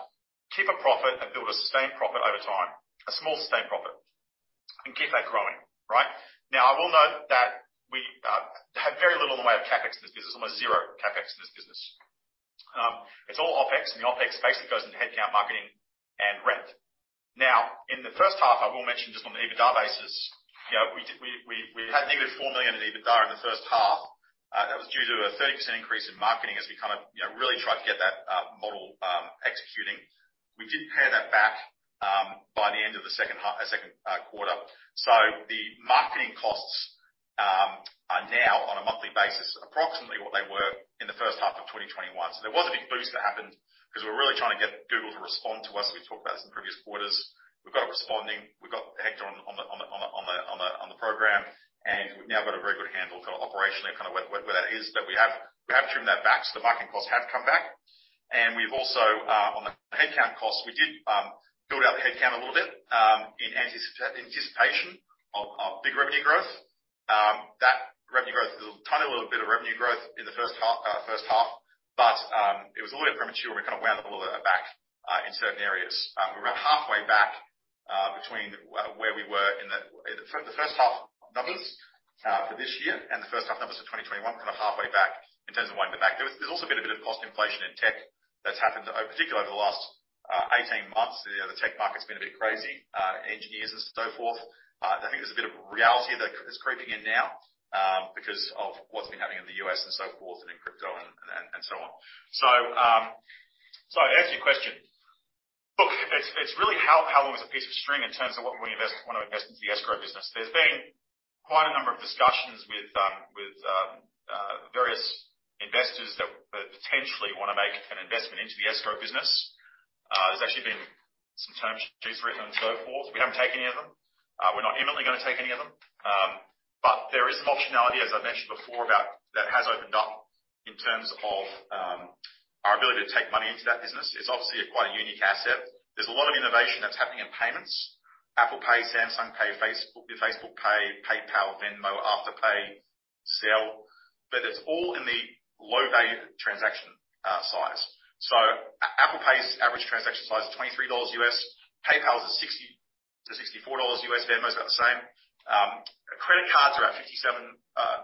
keep a profit and build a sustained profit over time, a small sustained profit, and keep that growing, right? Now, I will note that we have very little in the way of CapEx in this business, almost zero CapEx in this business. It's all OpEx, and the OpEx basically goes into headcount, marketing, and rent. Now, in the first half, I will mention just on the EBITDA basis, you know, we had negative 4 million in EBITDA in the first half. That was due to a 30% increase in marketing as we kind of, you know, really tried to get that model executing. We did pare that back by the end of the Q2. So the marketing costs are now on a monthly basis, approximately what they were in the first half of 2021. There was a big boost that happened 'cause we're really trying to get Google to respond to us. We've talked about this in previous quarters. We've got it responding. We've got Hector on the program, and we've now got a very good handle kind of operationally kind of where that is. We have trimmed that back, so the marketing costs have come back. We've also on the headcount costs, we did build out the headcount a little bit in anticipation of big revenue growth. That revenue growth, a tiny little bit of revenue growth in the first half, but it was a little bit premature. We kind of wound the whole lot back in certain areas. We're about halfway back between where we were in the first half numbers for this year and the first half numbers of 2021, kind of halfway back in terms of winding back. There's also been a bit of cost inflation in tech that's happened over, particularly over the last 18 months. You know, the tech market's been a bit crazy, engineers and so forth. I think there's a bit of reality of that is creeping in now, because of what's been happening in the U.S. and so forth and in crypto and so on. To answer your question. Look, it's really how long is a piece of string in terms of what we wanna invest into the escrow business. There's been quite a number of discussions with various investors that potentially wanna make an investment into the escrow business. There's actually been some term sheets written and so forth. We haven't taken any of them. We're not imminently gonna take any of them. There is some functionality, as I've mentioned before, that has opened up in terms of our ability to take money into that business. It's obviously quite a unique asset. There's a lot of innovation that's happening in payments. Apple Pay, Samsung Pay, Facebook Pay, PayPal, Venmo, Afterpay, Zelle. It's all in the low-value transaction size. Apple Pay's average transaction size is $23. PayPal is at $60-$64. Venmo is about the same. Credit cards are at $57,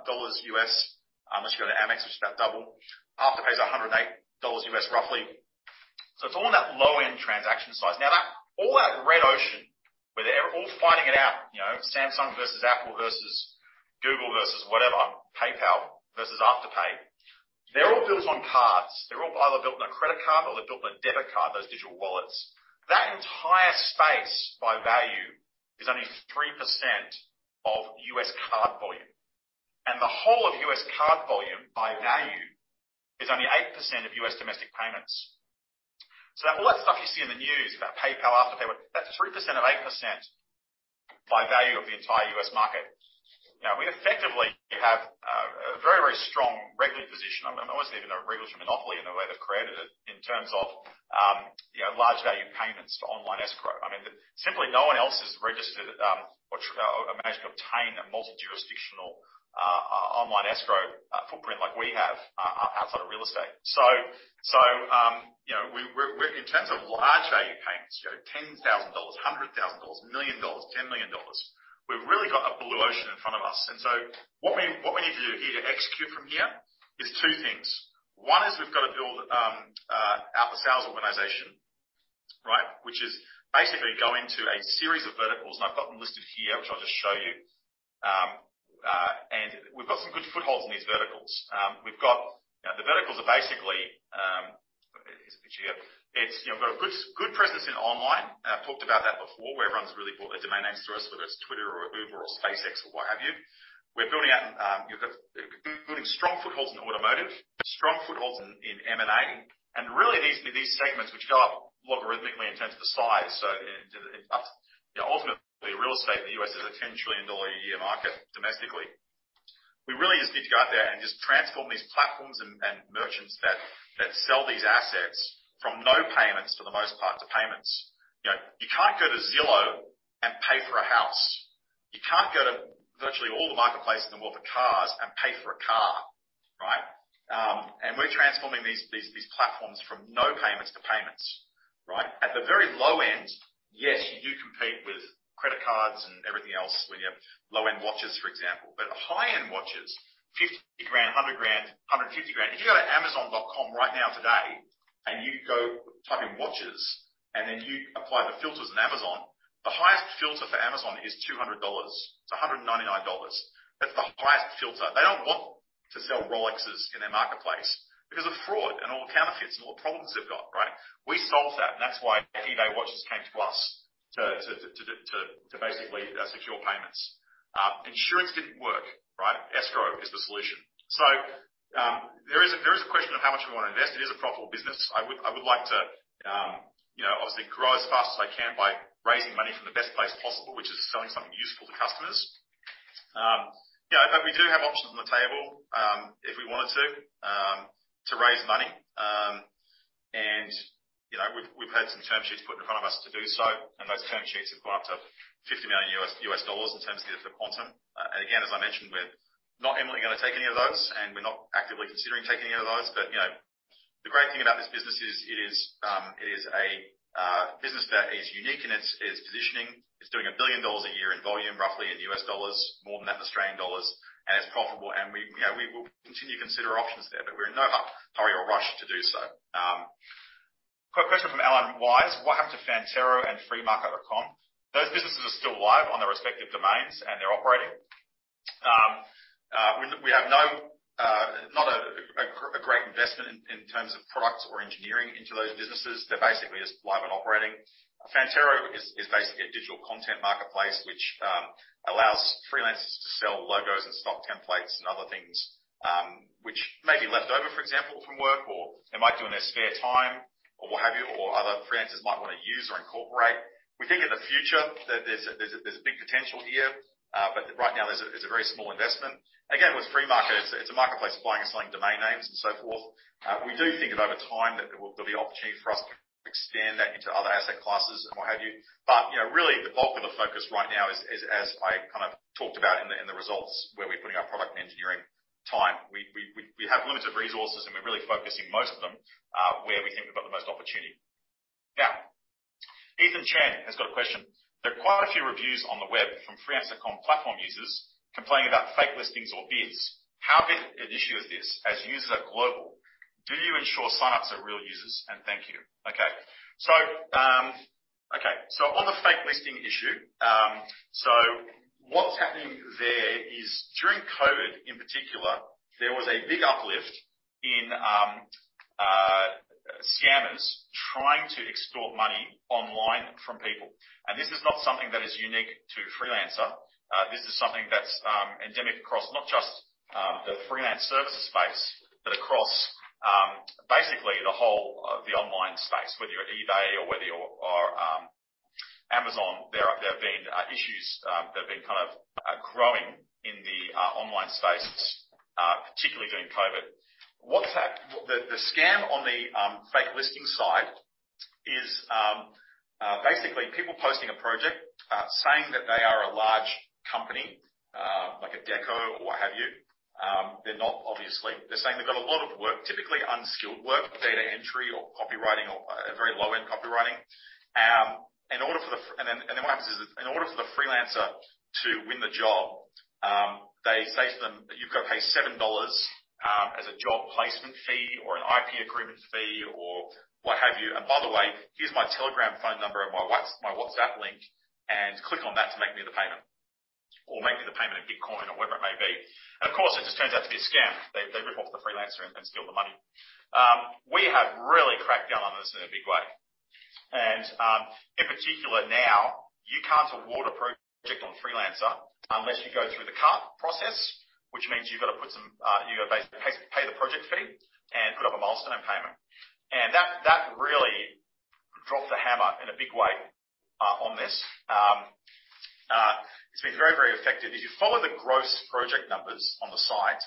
unless you go to Amex, which is about double. Afterpay is $108 roughly. It's all in that low-end transaction size. All that red ocean, where they're all fighting it out, you know, Samsung versus Apple versus Google versus whatever, PayPal versus Afterpay. They're all built on cards. They're all either built on a credit card or they're built on a debit card, those digital wallets. That entire space by value is only 3% of U.S. card volume. The whole of U.S. card volume by value is only 8% of U.S. domestic payments. That, all that stuff you see in the news about PayPal, Afterpay, that's 3% of 8% by value of the entire U.S. market. Now, we effectively have a very, very strong regulatory position. I mean, almost even a regulatory monopoly in the way they've created it in terms of, you know, large value payments to online escrow. I mean, simply no one else has registered, or managed to obtain a multi-jurisdictional, online escrow, footprint like we have, outside of real estate. We're in terms of large value payments, you know, 10,000 dollars, 100,000, 1 million dollars, 10 million dollars, we've really got a blue ocean in front of us. What we need to do here to execute from here is two things. One is we've got to build out the sales organization, right? Which is basically going to a series of verticals, and I've got them listed here, which I'll just show you. We've got some good footholds in these verticals. We've got. Now, the verticals are basically, it's here. It's, you know, we've got a good presence in online. Talked about that before, where everyone's really brought their domain names to us, whether it's Twitter or Uber or SpaceX or what have you. We're building out, we've got building strong footholds in automotive, strong footholds in M&A. Really these segments which go up logarithmically in terms of the size. So ultimately, real estate in the U.S. is a $10 trillion a year market domestically. We really just need to go out there and just transform these platforms and merchants that sell these assets from no payments for the most part to payments. You know, you can't go to Zillow and pay for a house. You can't go to virtually all the marketplaces in the world for cars and pay for a car, right? We're transforming these platforms from no payments to payments, right? At the very low end, yes, you do compete with credit cards and everything else when you have low-end watches, for example. But the high-end watches, $50,000, $100,000, $150,000. If you go to Amazon.com right now today, and you go type in watches, and then you apply the filters in Amazon, the highest filter for Amazon is $200. It's $199. That's the highest filter. They don't want to sell Rolexes in their marketplace because of fraud and all the counterfeits and all the problems they've got, right? We solved that, and that's why eBay watches came to us to basically secure payments. Insurance didn't work, right? Escrow is the solution. There is a question of how much we want to invest. It is a profitable business. I would like to, you know, obviously grow as fast as I can by raising money from the best place possible, which is selling something useful to customers. You know, but we do have options on the table, if we wanted to raise money. You know, we've had some term sheets put in front of us to do so, and those term sheets have gone up to $50 million in terms of the quantum. As I mentioned, we're not imminently gonna take any of those, and we're not actively considering taking any of those. You know, the great thing about this business is it is a business that is unique in its positioning. It's doing $1 billion a year in volume, roughly in U.S. dollars, more than that in Australian dollars. It's profitable. You know, we will continue to consider options there, but we're in no hurry or rush to do so. Got a question from Alan Wise. What happened to Fantero and Freemarket.com? Those businesses are still live on their respective domains, and they're operating. We have no great investment in terms of products or engineering into those businesses. They're basically just live and operating. Fantero is basically a digital content marketplace which allows freelancers to sell logos and stock templates and other things, which may be left over, for example, from work or they might do in their spare time or what have you, or other freelancers might want to use or incorporate. We think in the future that there's big potential here. Right now there's a very small investment. Again, with Freemarket, it's a marketplace buying and selling domain names and so forth. We do think that over time there'll be opportunity for us to extend that into other asset classes and what have you. You know, really the bulk of the focus right now is as I kind of talked about in the results, where we're putting our product and engineering time. We have limited resources, and we're really focusing most of them where we think we've got the most opportunity. Now, Ethan Chen has got a question. There are quite a few reviews on the web from Freelancer.com platform users complaining about fake listings or bids. How big an issue is this as users are global? Do you ensure sign-ups are real users? And thank you. Okay. On the fake listing issue, what's happening there is during COVID in particular, there was a big uplift in scammers trying to extort money online from people. This is not something that is unique to Freelancer. This is something that's endemic across not just the freelance services space, but across basically the whole of the online space, whether you're eBay or whether you're Amazon. There have been issues that have been kind of growing in the online space, particularly during COVID. The scam on the fake listing side is basically people posting a project, saying that they are a large company, like Adecco or what have you. They're not obviously. They're saying they've got a lot of work, typically unskilled work, data entry or copywriting or very low-end copywriting. In order for the What happens is in order for the freelancer to win the job, they say to them, "You've got to pay $7 as a job placement fee or an IP agreement fee or what have you. By the way, here's my Telegram phone number and my WhatsApp link, and click on that to make me the payment. Or make me the payment in Bitcoin," or whatever it may be. Of course, it just turns out to be a scam. They rip off the freelancer and steal the money. We have really cracked down on this in a big way. In particular now, you can't award a project on Freelancer unless you go through the cart process, which means you've got to basically pay the project fee and put up a milestone and payment. That really dropped the hammer in a big way on this. It's been very effective. If you follow the gross project numbers on the site,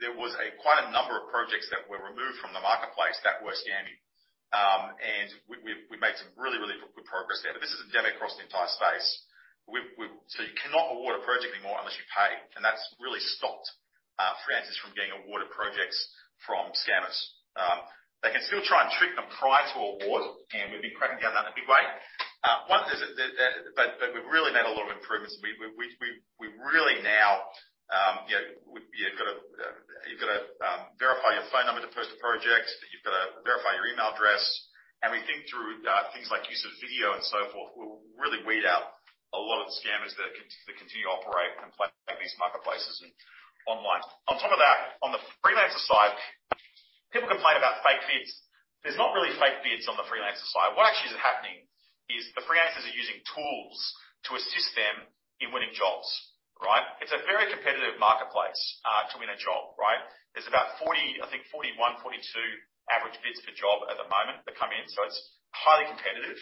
there was quite a number of projects that were removed from the marketplace that were scammy. We made some really good progress there. But this is a journey across the entire space. So you cannot award a project anymore unless you pay. That's really stopped freelancers from getting awarded projects from scammers. They can still try and trick them prior to award, and we've been cracking down on it in a big way. We've really made a lot of improvements. We really now you've got to verify your phone number to post a project. You've got to verify your email address. We think through things like use of video and so forth, we really weed out a lot of the scammers that continue to operate and play these marketplaces and online. On top of that, on the Freelancer side, people complain about fake bids. There's not really fake bids on the Freelancer side. What actually is happening is the freelancers are using tools to assist them in winning jobs, right? It's a very competitive marketplace to win a job, right? There's about 40, I think 41, 42 average bids per job at the moment that come in, so it's highly competitive.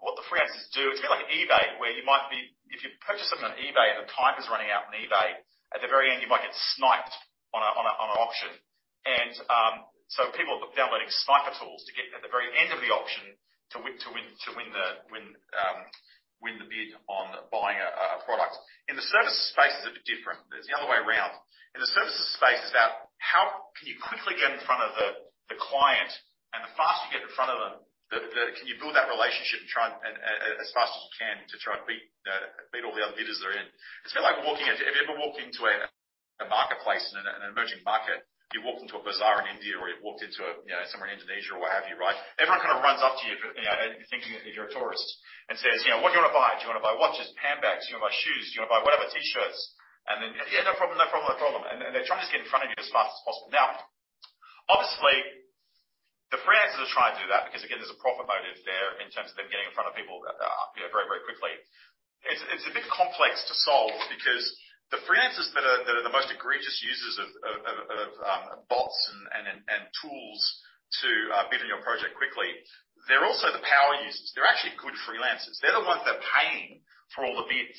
What the freelancers do, it's a bit like eBay. If you purchase something on eBay and the timer's running out on eBay, at the very end, you might get sniped on an auction. People are downloading sniper tools to get in at the very end of the auction to win the bid on buying a product. In the service space it's a bit different. It's the other way around. In the services space, it's about how can you quickly get in front of the client, and the faster you get in front of them. Can you build that relationship and try and as fast as you can to try and beat all the other bidders that are in? It's a bit like walking into. If you ever walk into a marketplace in an emerging market, you walk into a bazaar in India, or you've walked into a, you know, somewhere in Indonesia or what have you, right? Everyone kind of runs up to you for, you know, they think that you're a tourist and says, you know, "What do you wanna buy? Do you wanna buy watches, handbags? Do you wanna buy shoes? Do you wanna buy whatever T-shirts?" "Yeah, no problem, no problem, no problem." They're trying to get in front of you as fast as possible. Now, obviously, the freelancers are trying to do that because again, there's a profit motive there in terms of them getting in front of people, you know, very, very quickly. It's a bit complex to solve because the freelancers that are the most egregious users of bots and tools to bid on your project quickly, they're also the power users. They're actually good freelancers. They're the ones that are paying for all the bids.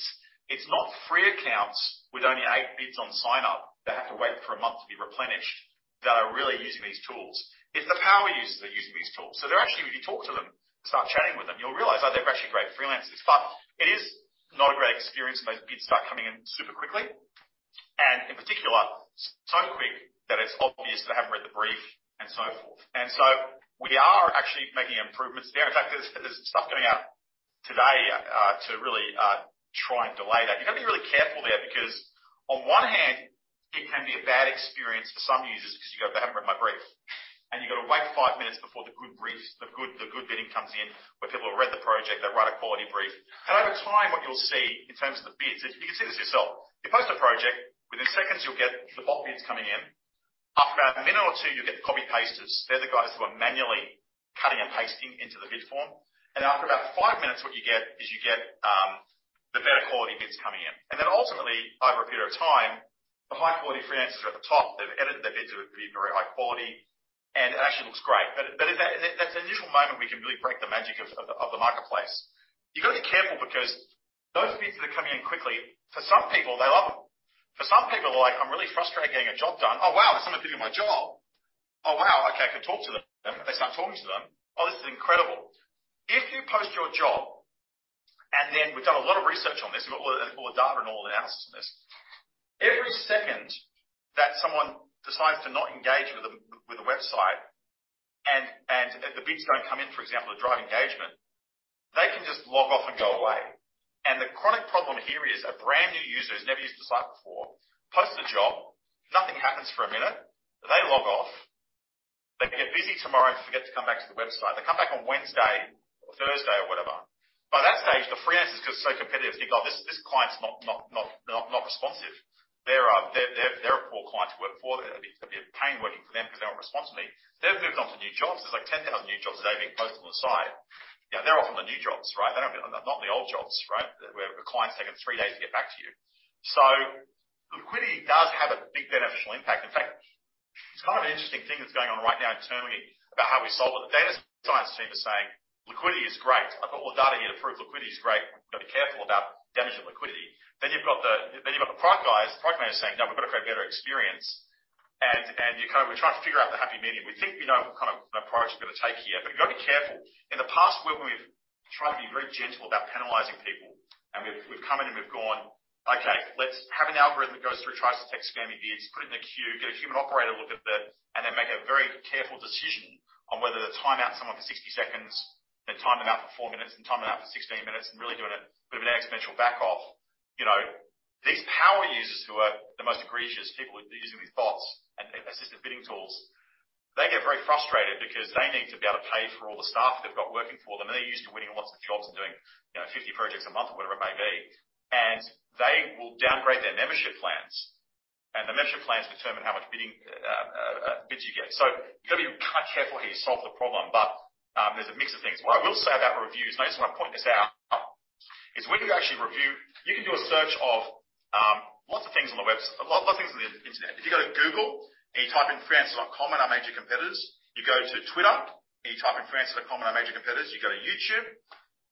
It's not free accounts with only eight bids on sign up that have to wait for a month to be replenished that are really using these tools. It's the power users that are using these tools. They're actually, when you talk to them, start chatting with them, you'll realize, oh, they're actually great freelancers. It is not a great experience when those bids start coming in super quickly, and in particular, so quick that it's obvious they haven't read the brief and so forth. We are actually making improvements there. In fact, there's stuff going out today to really try and delay that. You've got to be really careful there because on one hand, it can be a bad experience for some users because you go, "They haven't read my brief." You've got to wait five minutes before the good briefs, the good bidding comes in, where people have read the project, they write a quality brief. Over time, what you'll see in terms of the bids is, you can see this yourself. You post a project, within seconds you'll get the bot bids coming in. After about a minute or two, you'll get the copy-pasters. They're the guys who are manually cutting and pasting into the bid form. After about five minutes, what you get is the better quality bids coming in. Then ultimately, over a period of time, the high-quality freelancers are at the top. They've edited their bids. It would be very high quality and actually looks great. But in that's an initial moment we can really break the magic of the marketplace. You've got to be careful because those bids that are coming in quickly, for some people, they love them. For some people, they're like, "I'm really frustrated getting a job done. Oh, wow, someone's bidding my job. Oh, wow, okay, I can talk to them." They start talking to them. "Oh, this is incredible." If you post your job, and then we've done a lot of research on this, we've got all the data and all the analysis on this. Every second that someone decides to not engage with the website and the bids don't come in, for example, to drive engagement, they can just log off and go away. The chronic problem here is a brand-new user who's never used the site before, posts a job, nothing happens for a minute, they log off. They get busy tomorrow and forget to come back to the website. They come back on Wednesday or Thursday or whatever. By that stage, the freelancers, because it's so competitive, think, "Oh, this client's not responsive. They're a poor client to work for. It'll be a pain working for them because they don't respond to me. They've moved on to new jobs. There's like 10,000 new jobs that are being posted on the site. You know, they're off on the new jobs, right? They don't want the old jobs, right? Where the client's taking three days to get back to you. Liquidity does have a big beneficial impact. In fact, it's kind of an interesting thing that's going on right now internally about how we solve it. The data science team is saying liquidity is great. I've got all the data here to prove liquidity is great. We've got to be careful about damaging liquidity. You've got the product guys, the product manager saying, "No, we've got to create a better experience." We're trying to figure out the happy medium. We think we know what kind of approach we're gonna take here, but we've got to be careful. In the past, when we've tried to be very gentle about penalizing people, and we've come in, and we've gone, "Okay, let's have an algorithm that goes through, tries to detect spammy bids, put it in a queue, get a human operator look at it, and then make a very careful decision on whether to time out someone for 60 seconds, then time them out for four minutes, and time them out for 16 minutes, and really do a bit of an exponential backoff." You know, these power users who are the most egregious people using these bots and assisted bidding tools, they get very frustrated because they need to be able to pay for all the staff they've got working for them, and they're used to winning lots of jobs and doing, you know, 50 projects a month or whatever it may be. They will downgrade their membership plans. The membership plans determine how many bids you get. You've got to be kind of careful how you solve the problem. There's a mix of things. What I will say about reviews, and I just want to point this out, is when you actually review, you can do a search of lots of things on the internet. If you go to Google and you type in Freelancer.com and our major competitors, you go to Twitter, and you type in Freelancer.com and our major competitors. You go to YouTube.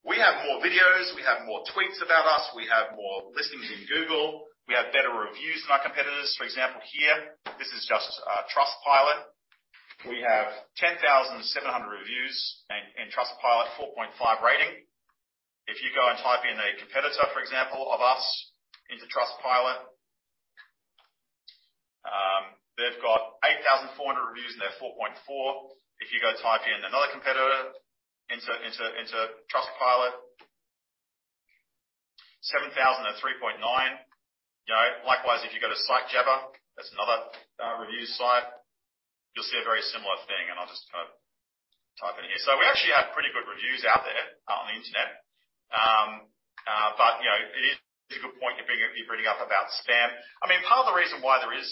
We have more videos, we have more tweets about us, we have more listings in Google. We have better reviews than our competitors. For example, here, this is just Trustpilot. We have 10,700 reviews in Trustpilot, 4.5 rating. If you go and type in a competitor, for example, of us into Trustpilot, they've got 8,400 reviews, and they're 4.4. If you go type in another competitor into Trustpilot, 7,000 and 3.9. You know, likewise, if you go to Sitejabber, that's another reviews site. You'll see a very similar thing, and I'll just kind of type in here. We actually have pretty good reviews out there on the internet. You know, it is a good point you're bringing up about spam. I mean, part of the reason why there is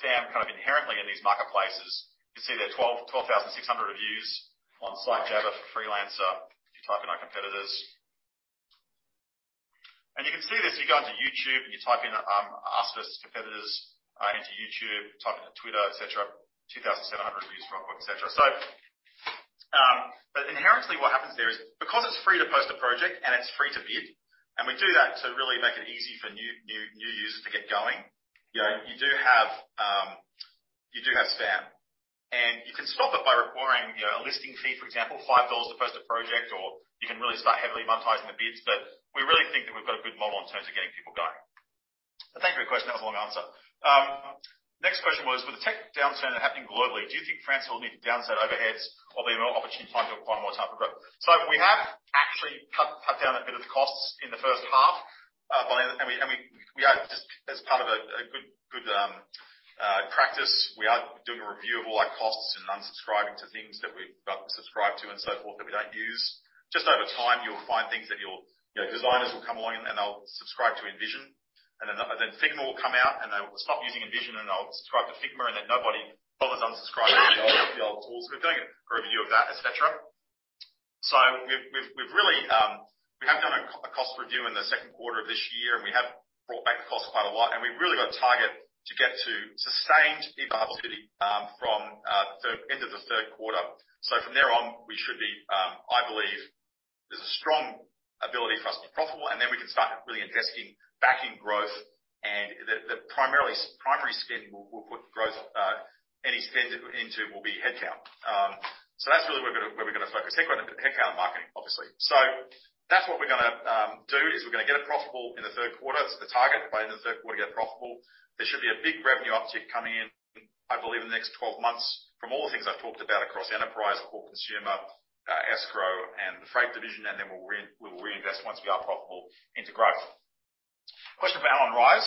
spam kind of inherently in these marketplaces, you see there 12,600 reviews on Sitejabber for Freelancer if you type in our competitors. You can see this, you go onto YouTube, and you type in us versus competitors into YouTube, type into Twitter, et cetera. 2,700 reviews from et cetera. Inherently, what happens there is because it's free to post a project and it's free to bid, and we do that to really make it easy for new users to get going. You know, you do have spam. You can stop it by requiring a listing fee, for example, 5 dollars to post a project, or you can really start heavily monetizing the bids. We really think that we've got a good model in terms of getting people going. Thank you for your question. That was a long answer. Next question was: With the tech downturn that happened globally, do you think Freelancer will need to downsize overheads or be an opportunity time to acquire more talent for growth? We have actually cut down a bit of the costs in the first half. We are just as part of a good practice. We are doing a review of all our costs and unsubscribing to things that we've got subscribed to and so forth that we don't use. Just over time, you'll find things that your, you know, designers will come along, and they'll subscribe to InVision, and then Figma will come out, and they'll stop using InVision, and they'll subscribe to Figma, and then nobody bothers unsubscribing the old tools. We're doing a review of that, et cetera. We've really done a cost review in the Q2 of this year, and we have cut back costs quite a lot, and we've really got a target to get to sustained EBITDA profitability from the end of the Q3. From there on, we should be. I believe there's a strong ability for us to be profitable, and then we can start really investing, backing growth. The primary spend we'll put growth any spend into will be headcount. That's really where we're gonna focus, headcount and marketing, obviously. That's what we're gonna do is we're gonna get it profitable in the Q3. The target by the end of the Q3, get profitable. There should be a big revenue uptick coming in, I believe, in the next 12 months from all the things I've talked about across enterprise, core consumer, Escrow and the Freight division. We will reinvest once we are profitable into growth. Question from Alan Wise.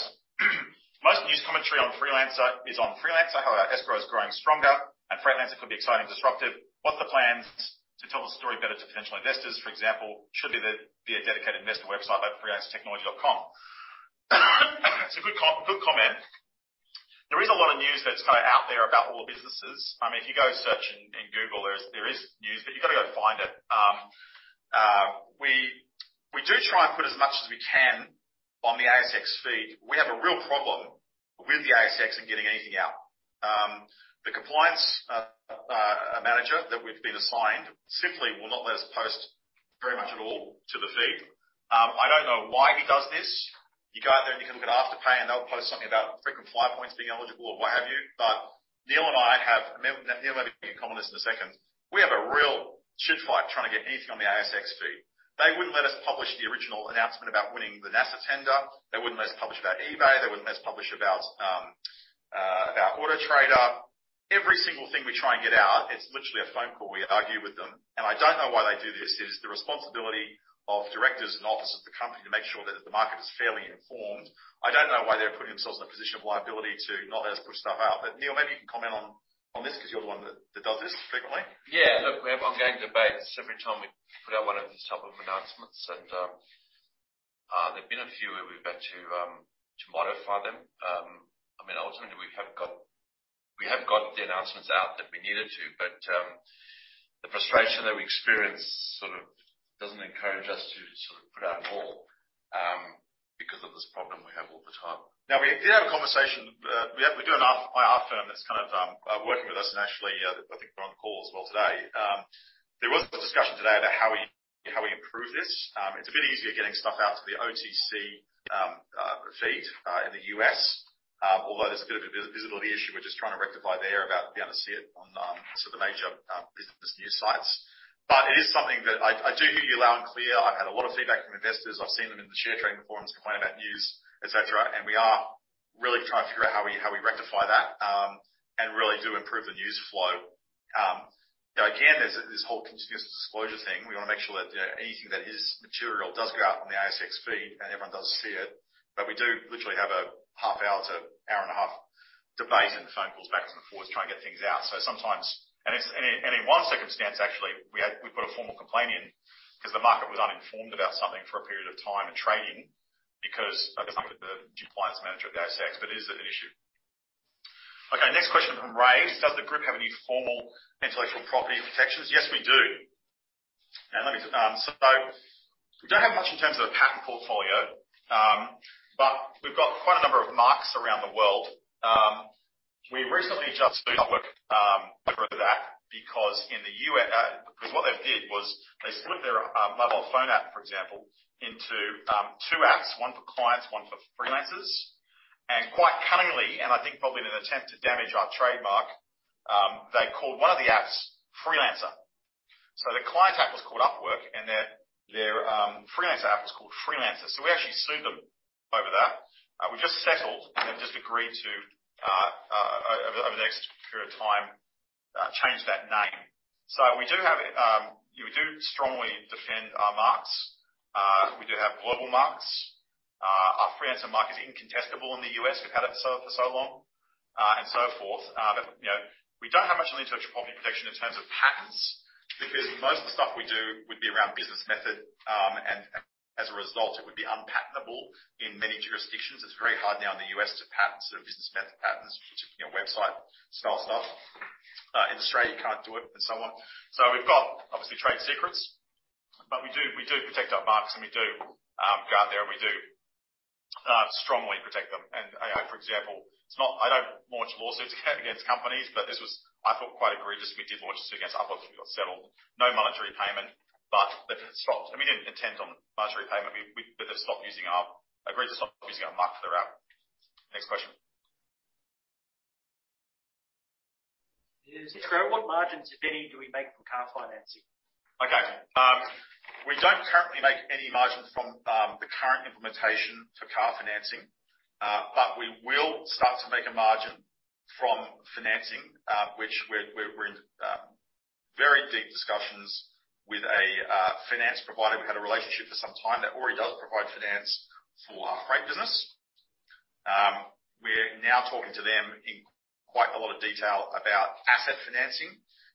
Most news commentary on Freelancer is on Freelancer. However, Escrow is growing stronger and Freightlancer could be exciting and disruptive. What's the plans to tell the story better to potential investors? For example, should there be a dedicated investor website like freelancetechnology.com? It's a good comment. There is a lot of news that's kind of out there about all the businesses. I mean, if you go search in Google, there is news, but you've got to go find it. We do try and put as much as we can on the ASX feed. We have a real problem with the ASX in getting anything out. The compliance manager that we've been assigned simply will not let us post very much at all to the feed. I don't know why he does this. You go out there, and you can look at Afterpay, and they'll post something about frequent flyer points being eligible or what have you. Neil and I have. Neil, maybe you can comment on this in a second. We have a real shit fight trying to get anything on the ASX feed. They wouldn't let us publish the original announcement about winning the NASA tender. They wouldn't let us publish about eBay. They wouldn't let us publish about Autotrader. Every single thing we try and get out, it's literally a phone call. We argue with them, and I don't know why they do this. It is the responsibility of directors and officers of the company to make sure that the market is fairly informed. I don't know why they're putting themselves in a position of liability to not let us put stuff out. Neil, maybe you can comment on this 'cause you're the one that does this frequently. Yeah. Look, we have ongoing debates every time we put out one of these type of announcements, and there've been a few where we've had to modify them. I mean, ultimately, we have got the announcements out that we needed to, but the frustration that we experience sort of doesn't encourage us to sort of put out more because of this problem we have all the time. Now, we did have a conversation. We do have an IR firm that's kind of working with us, and actually, I think they're on the call as well today. There was a discussion today about how we improve this. It's a bit easier getting stuff out to the OTC feed in the U.S. Although there's a bit of a visibility issue we're just trying to rectify there about being able to see it on sort of major business news sites. It is something that I do hear you loud and clear. I've had a lot of feedback from investors. I've seen them in the share trading forums complain about news, et cetera. We are really trying to figure out how we rectify that, and really do improve the news flow. You know, again, there's this whole continuous disclosure thing. We wanna make sure that, you know, anything that is material does go out on the ASX feed, and everyone does see it. We do literally have a half hour to hour and a half debates and phone calls back and forth trying to get things out. Sometimes in one circumstance, actually, we put a formal complaint in 'cause the market was uninformed about something for a period of time and trading because the compliance manager of the ASX, but it is an issue. Okay, next question from Ray. Does the group have any formal intellectual property protections? Yes, we do. Now let me, we don't have much in terms of a patent portfolio, but we've got quite a number of marks around the world. We recently just worked over that because in the U.S., because what they did was they split their mobile phone app, for example, into two apps, one for clients, one for freelancers. Quite cunningly, and I think probably in an attempt to damage our trademark, they called one of the apps Freelancer. Their client app was called Upwork, and their freelancer app was called Freelancer. We actually sued them over that. We just settled, and they've just agreed to over the next period of time change that name. We do strongly defend our marks. We do have global marks. Our Freelancer mark is incontestable in the U.S. We've had it for so long, and so forth. You know, we don't have much intellectual property protection in terms of patents because most of the stuff we do would be around business method, and as a result, it would be unpatentable in many jurisdictions. It's very hard now in the U.S. to patent sort of business method patents, which, you know, website style stuff. In Australia, you can't do it and so on. We've got obviously trade secrets, but we do protect our marks, and we do go out there and strongly protect them. For example, I don't launch lawsuits against companies, but this was, I thought, quite egregious. We did launch a suit against Upwork. We got settled. No monetary payment, but they've stopped. We didn't intend on monetary payment. They've stopped using or agreed to stop using our mark for their app. Next question. In Escrow, what margins, if any, do we make from car financing? Okay. We don't currently make any margins from the current implementation for car financing, but we will start to make a margin from financing, which we're in very deep discussions with a finance provider we've had a relationship for some time that already does provide finance for our freight business. We're now talking to them in quite a lot of detail about asset financing.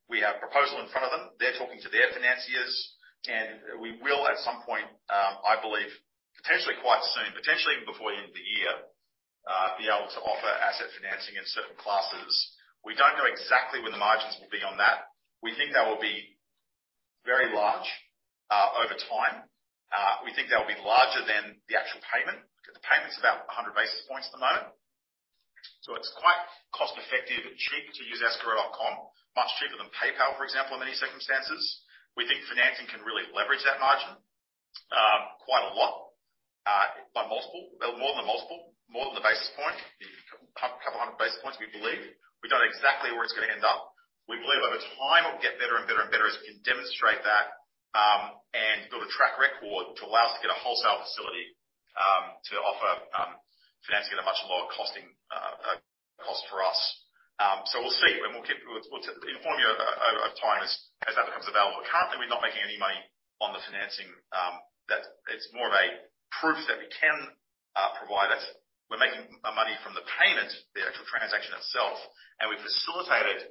We have a proposal in front of them. They're talking to their financiers, and we will at some point I believe potentially quite soon, potentially even before the end of the year be able to offer asset financing in certain classes. We don't know exactly when the margins will be on that. We think they will be very large over time. We think they'll be larger than the actual payment 'cause the payment's about 100 basis points at the moment. It's quite cost-effective and cheap to use Escrow.com, much cheaper than PayPal, for example, in many circumstances. We think financing can really leverage that margin, quite a lot, by multiple, more than a multiple, more than the basis point, couple hundred basis points, we believe. We don't know exactly where it's gonna end up. We believe over time it'll get better and better and better as we can demonstrate that, and build a track record to allow us to get a wholesale facility, to offer financing at a much lower costing cost for us. We'll see, and we'll keep we'll inform you over time as that becomes available. Currently, we're not making any money on the financing. It's more of a proof that we can provide it. We're making our money from the payment, the actual transaction itself, and we've facilitated a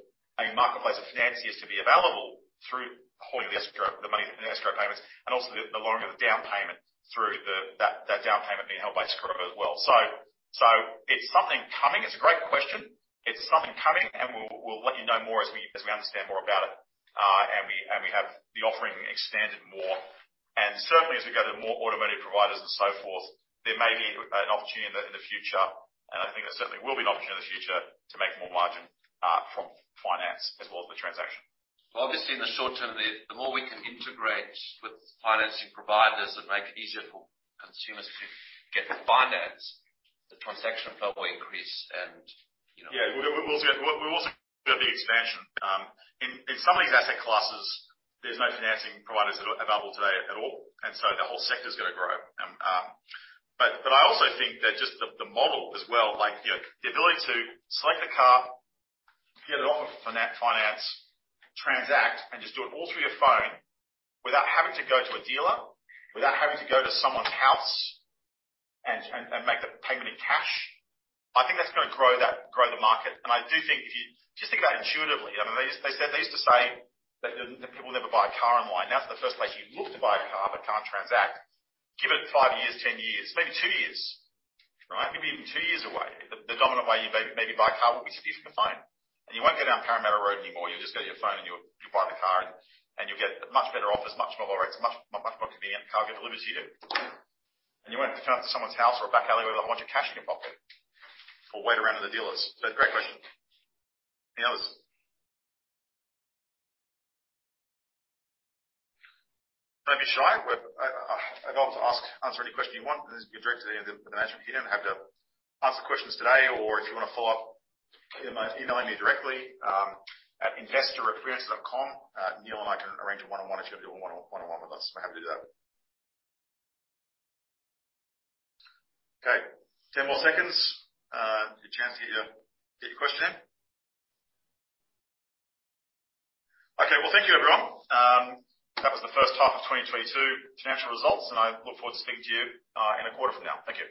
marketplace of financiers to be available through holding the escrow, the money from the escrow payments and also the loan or the down payment through that down payment being held by Escrow as well. It's something coming. It's a great question. It's something coming, and we'll let you know more as we understand more about it, and we have the offering extended more. Certainly, as we go to more automotive providers and so forth, there may be an opportunity in the future, and I think there certainly will be an opportunity in the future to make more margin from finance as well as the transaction. Well, obviously in the short term, the more we can integrate with financing providers that make it easier for consumers to get the finance, the transaction flow will increase, you know. Yeah. We'll see a big expansion. In some of these asset classes, there's no financing providers that are available today at all, and so the whole sector's gonna grow. But I also think that just the model as well, like, you know, the ability to select the car, get it on finance, transact, and just do it all through your phone without having to go to a dealer, without having to go to someone's house and make the payment in cash, I think that's gonna grow the market. I do think if you just think about it intuitively, I mean, they used to say that the people will never buy a car online. Now it's the first place you look to buy a car but can't transact. Give it five years, 10 years, maybe two years, right? It could be even two years away. The dominant way you maybe buy a car will be through your phone. You won't go down Parramatta Road anymore. You'll just go to your phone, and you'll buy the car, and you'll get much better offers, much lower rates, much more convenient. Car will get delivered to you. You won't have to turn up to someone's house or a back alleyway with a bunch of cash in your pocket or wait around at the dealers. Great question. Any others? Don't be shy. I'd love to answer any question you want. This is your direct link to the management here. You don't have to ask the questions today, or if you wanna follow up, email me directly at investor@freelancer.com. Neil and I can arrange a one-on-one if you want to do a one-on-one with us. We're happy to do that. Okay. 10 more seconds. Good chance to get your question in. Okay. Well, thank you, everyone. That was the first half of 2022 financial results, and I look forward to speaking to you in a quarter from now. Thank you.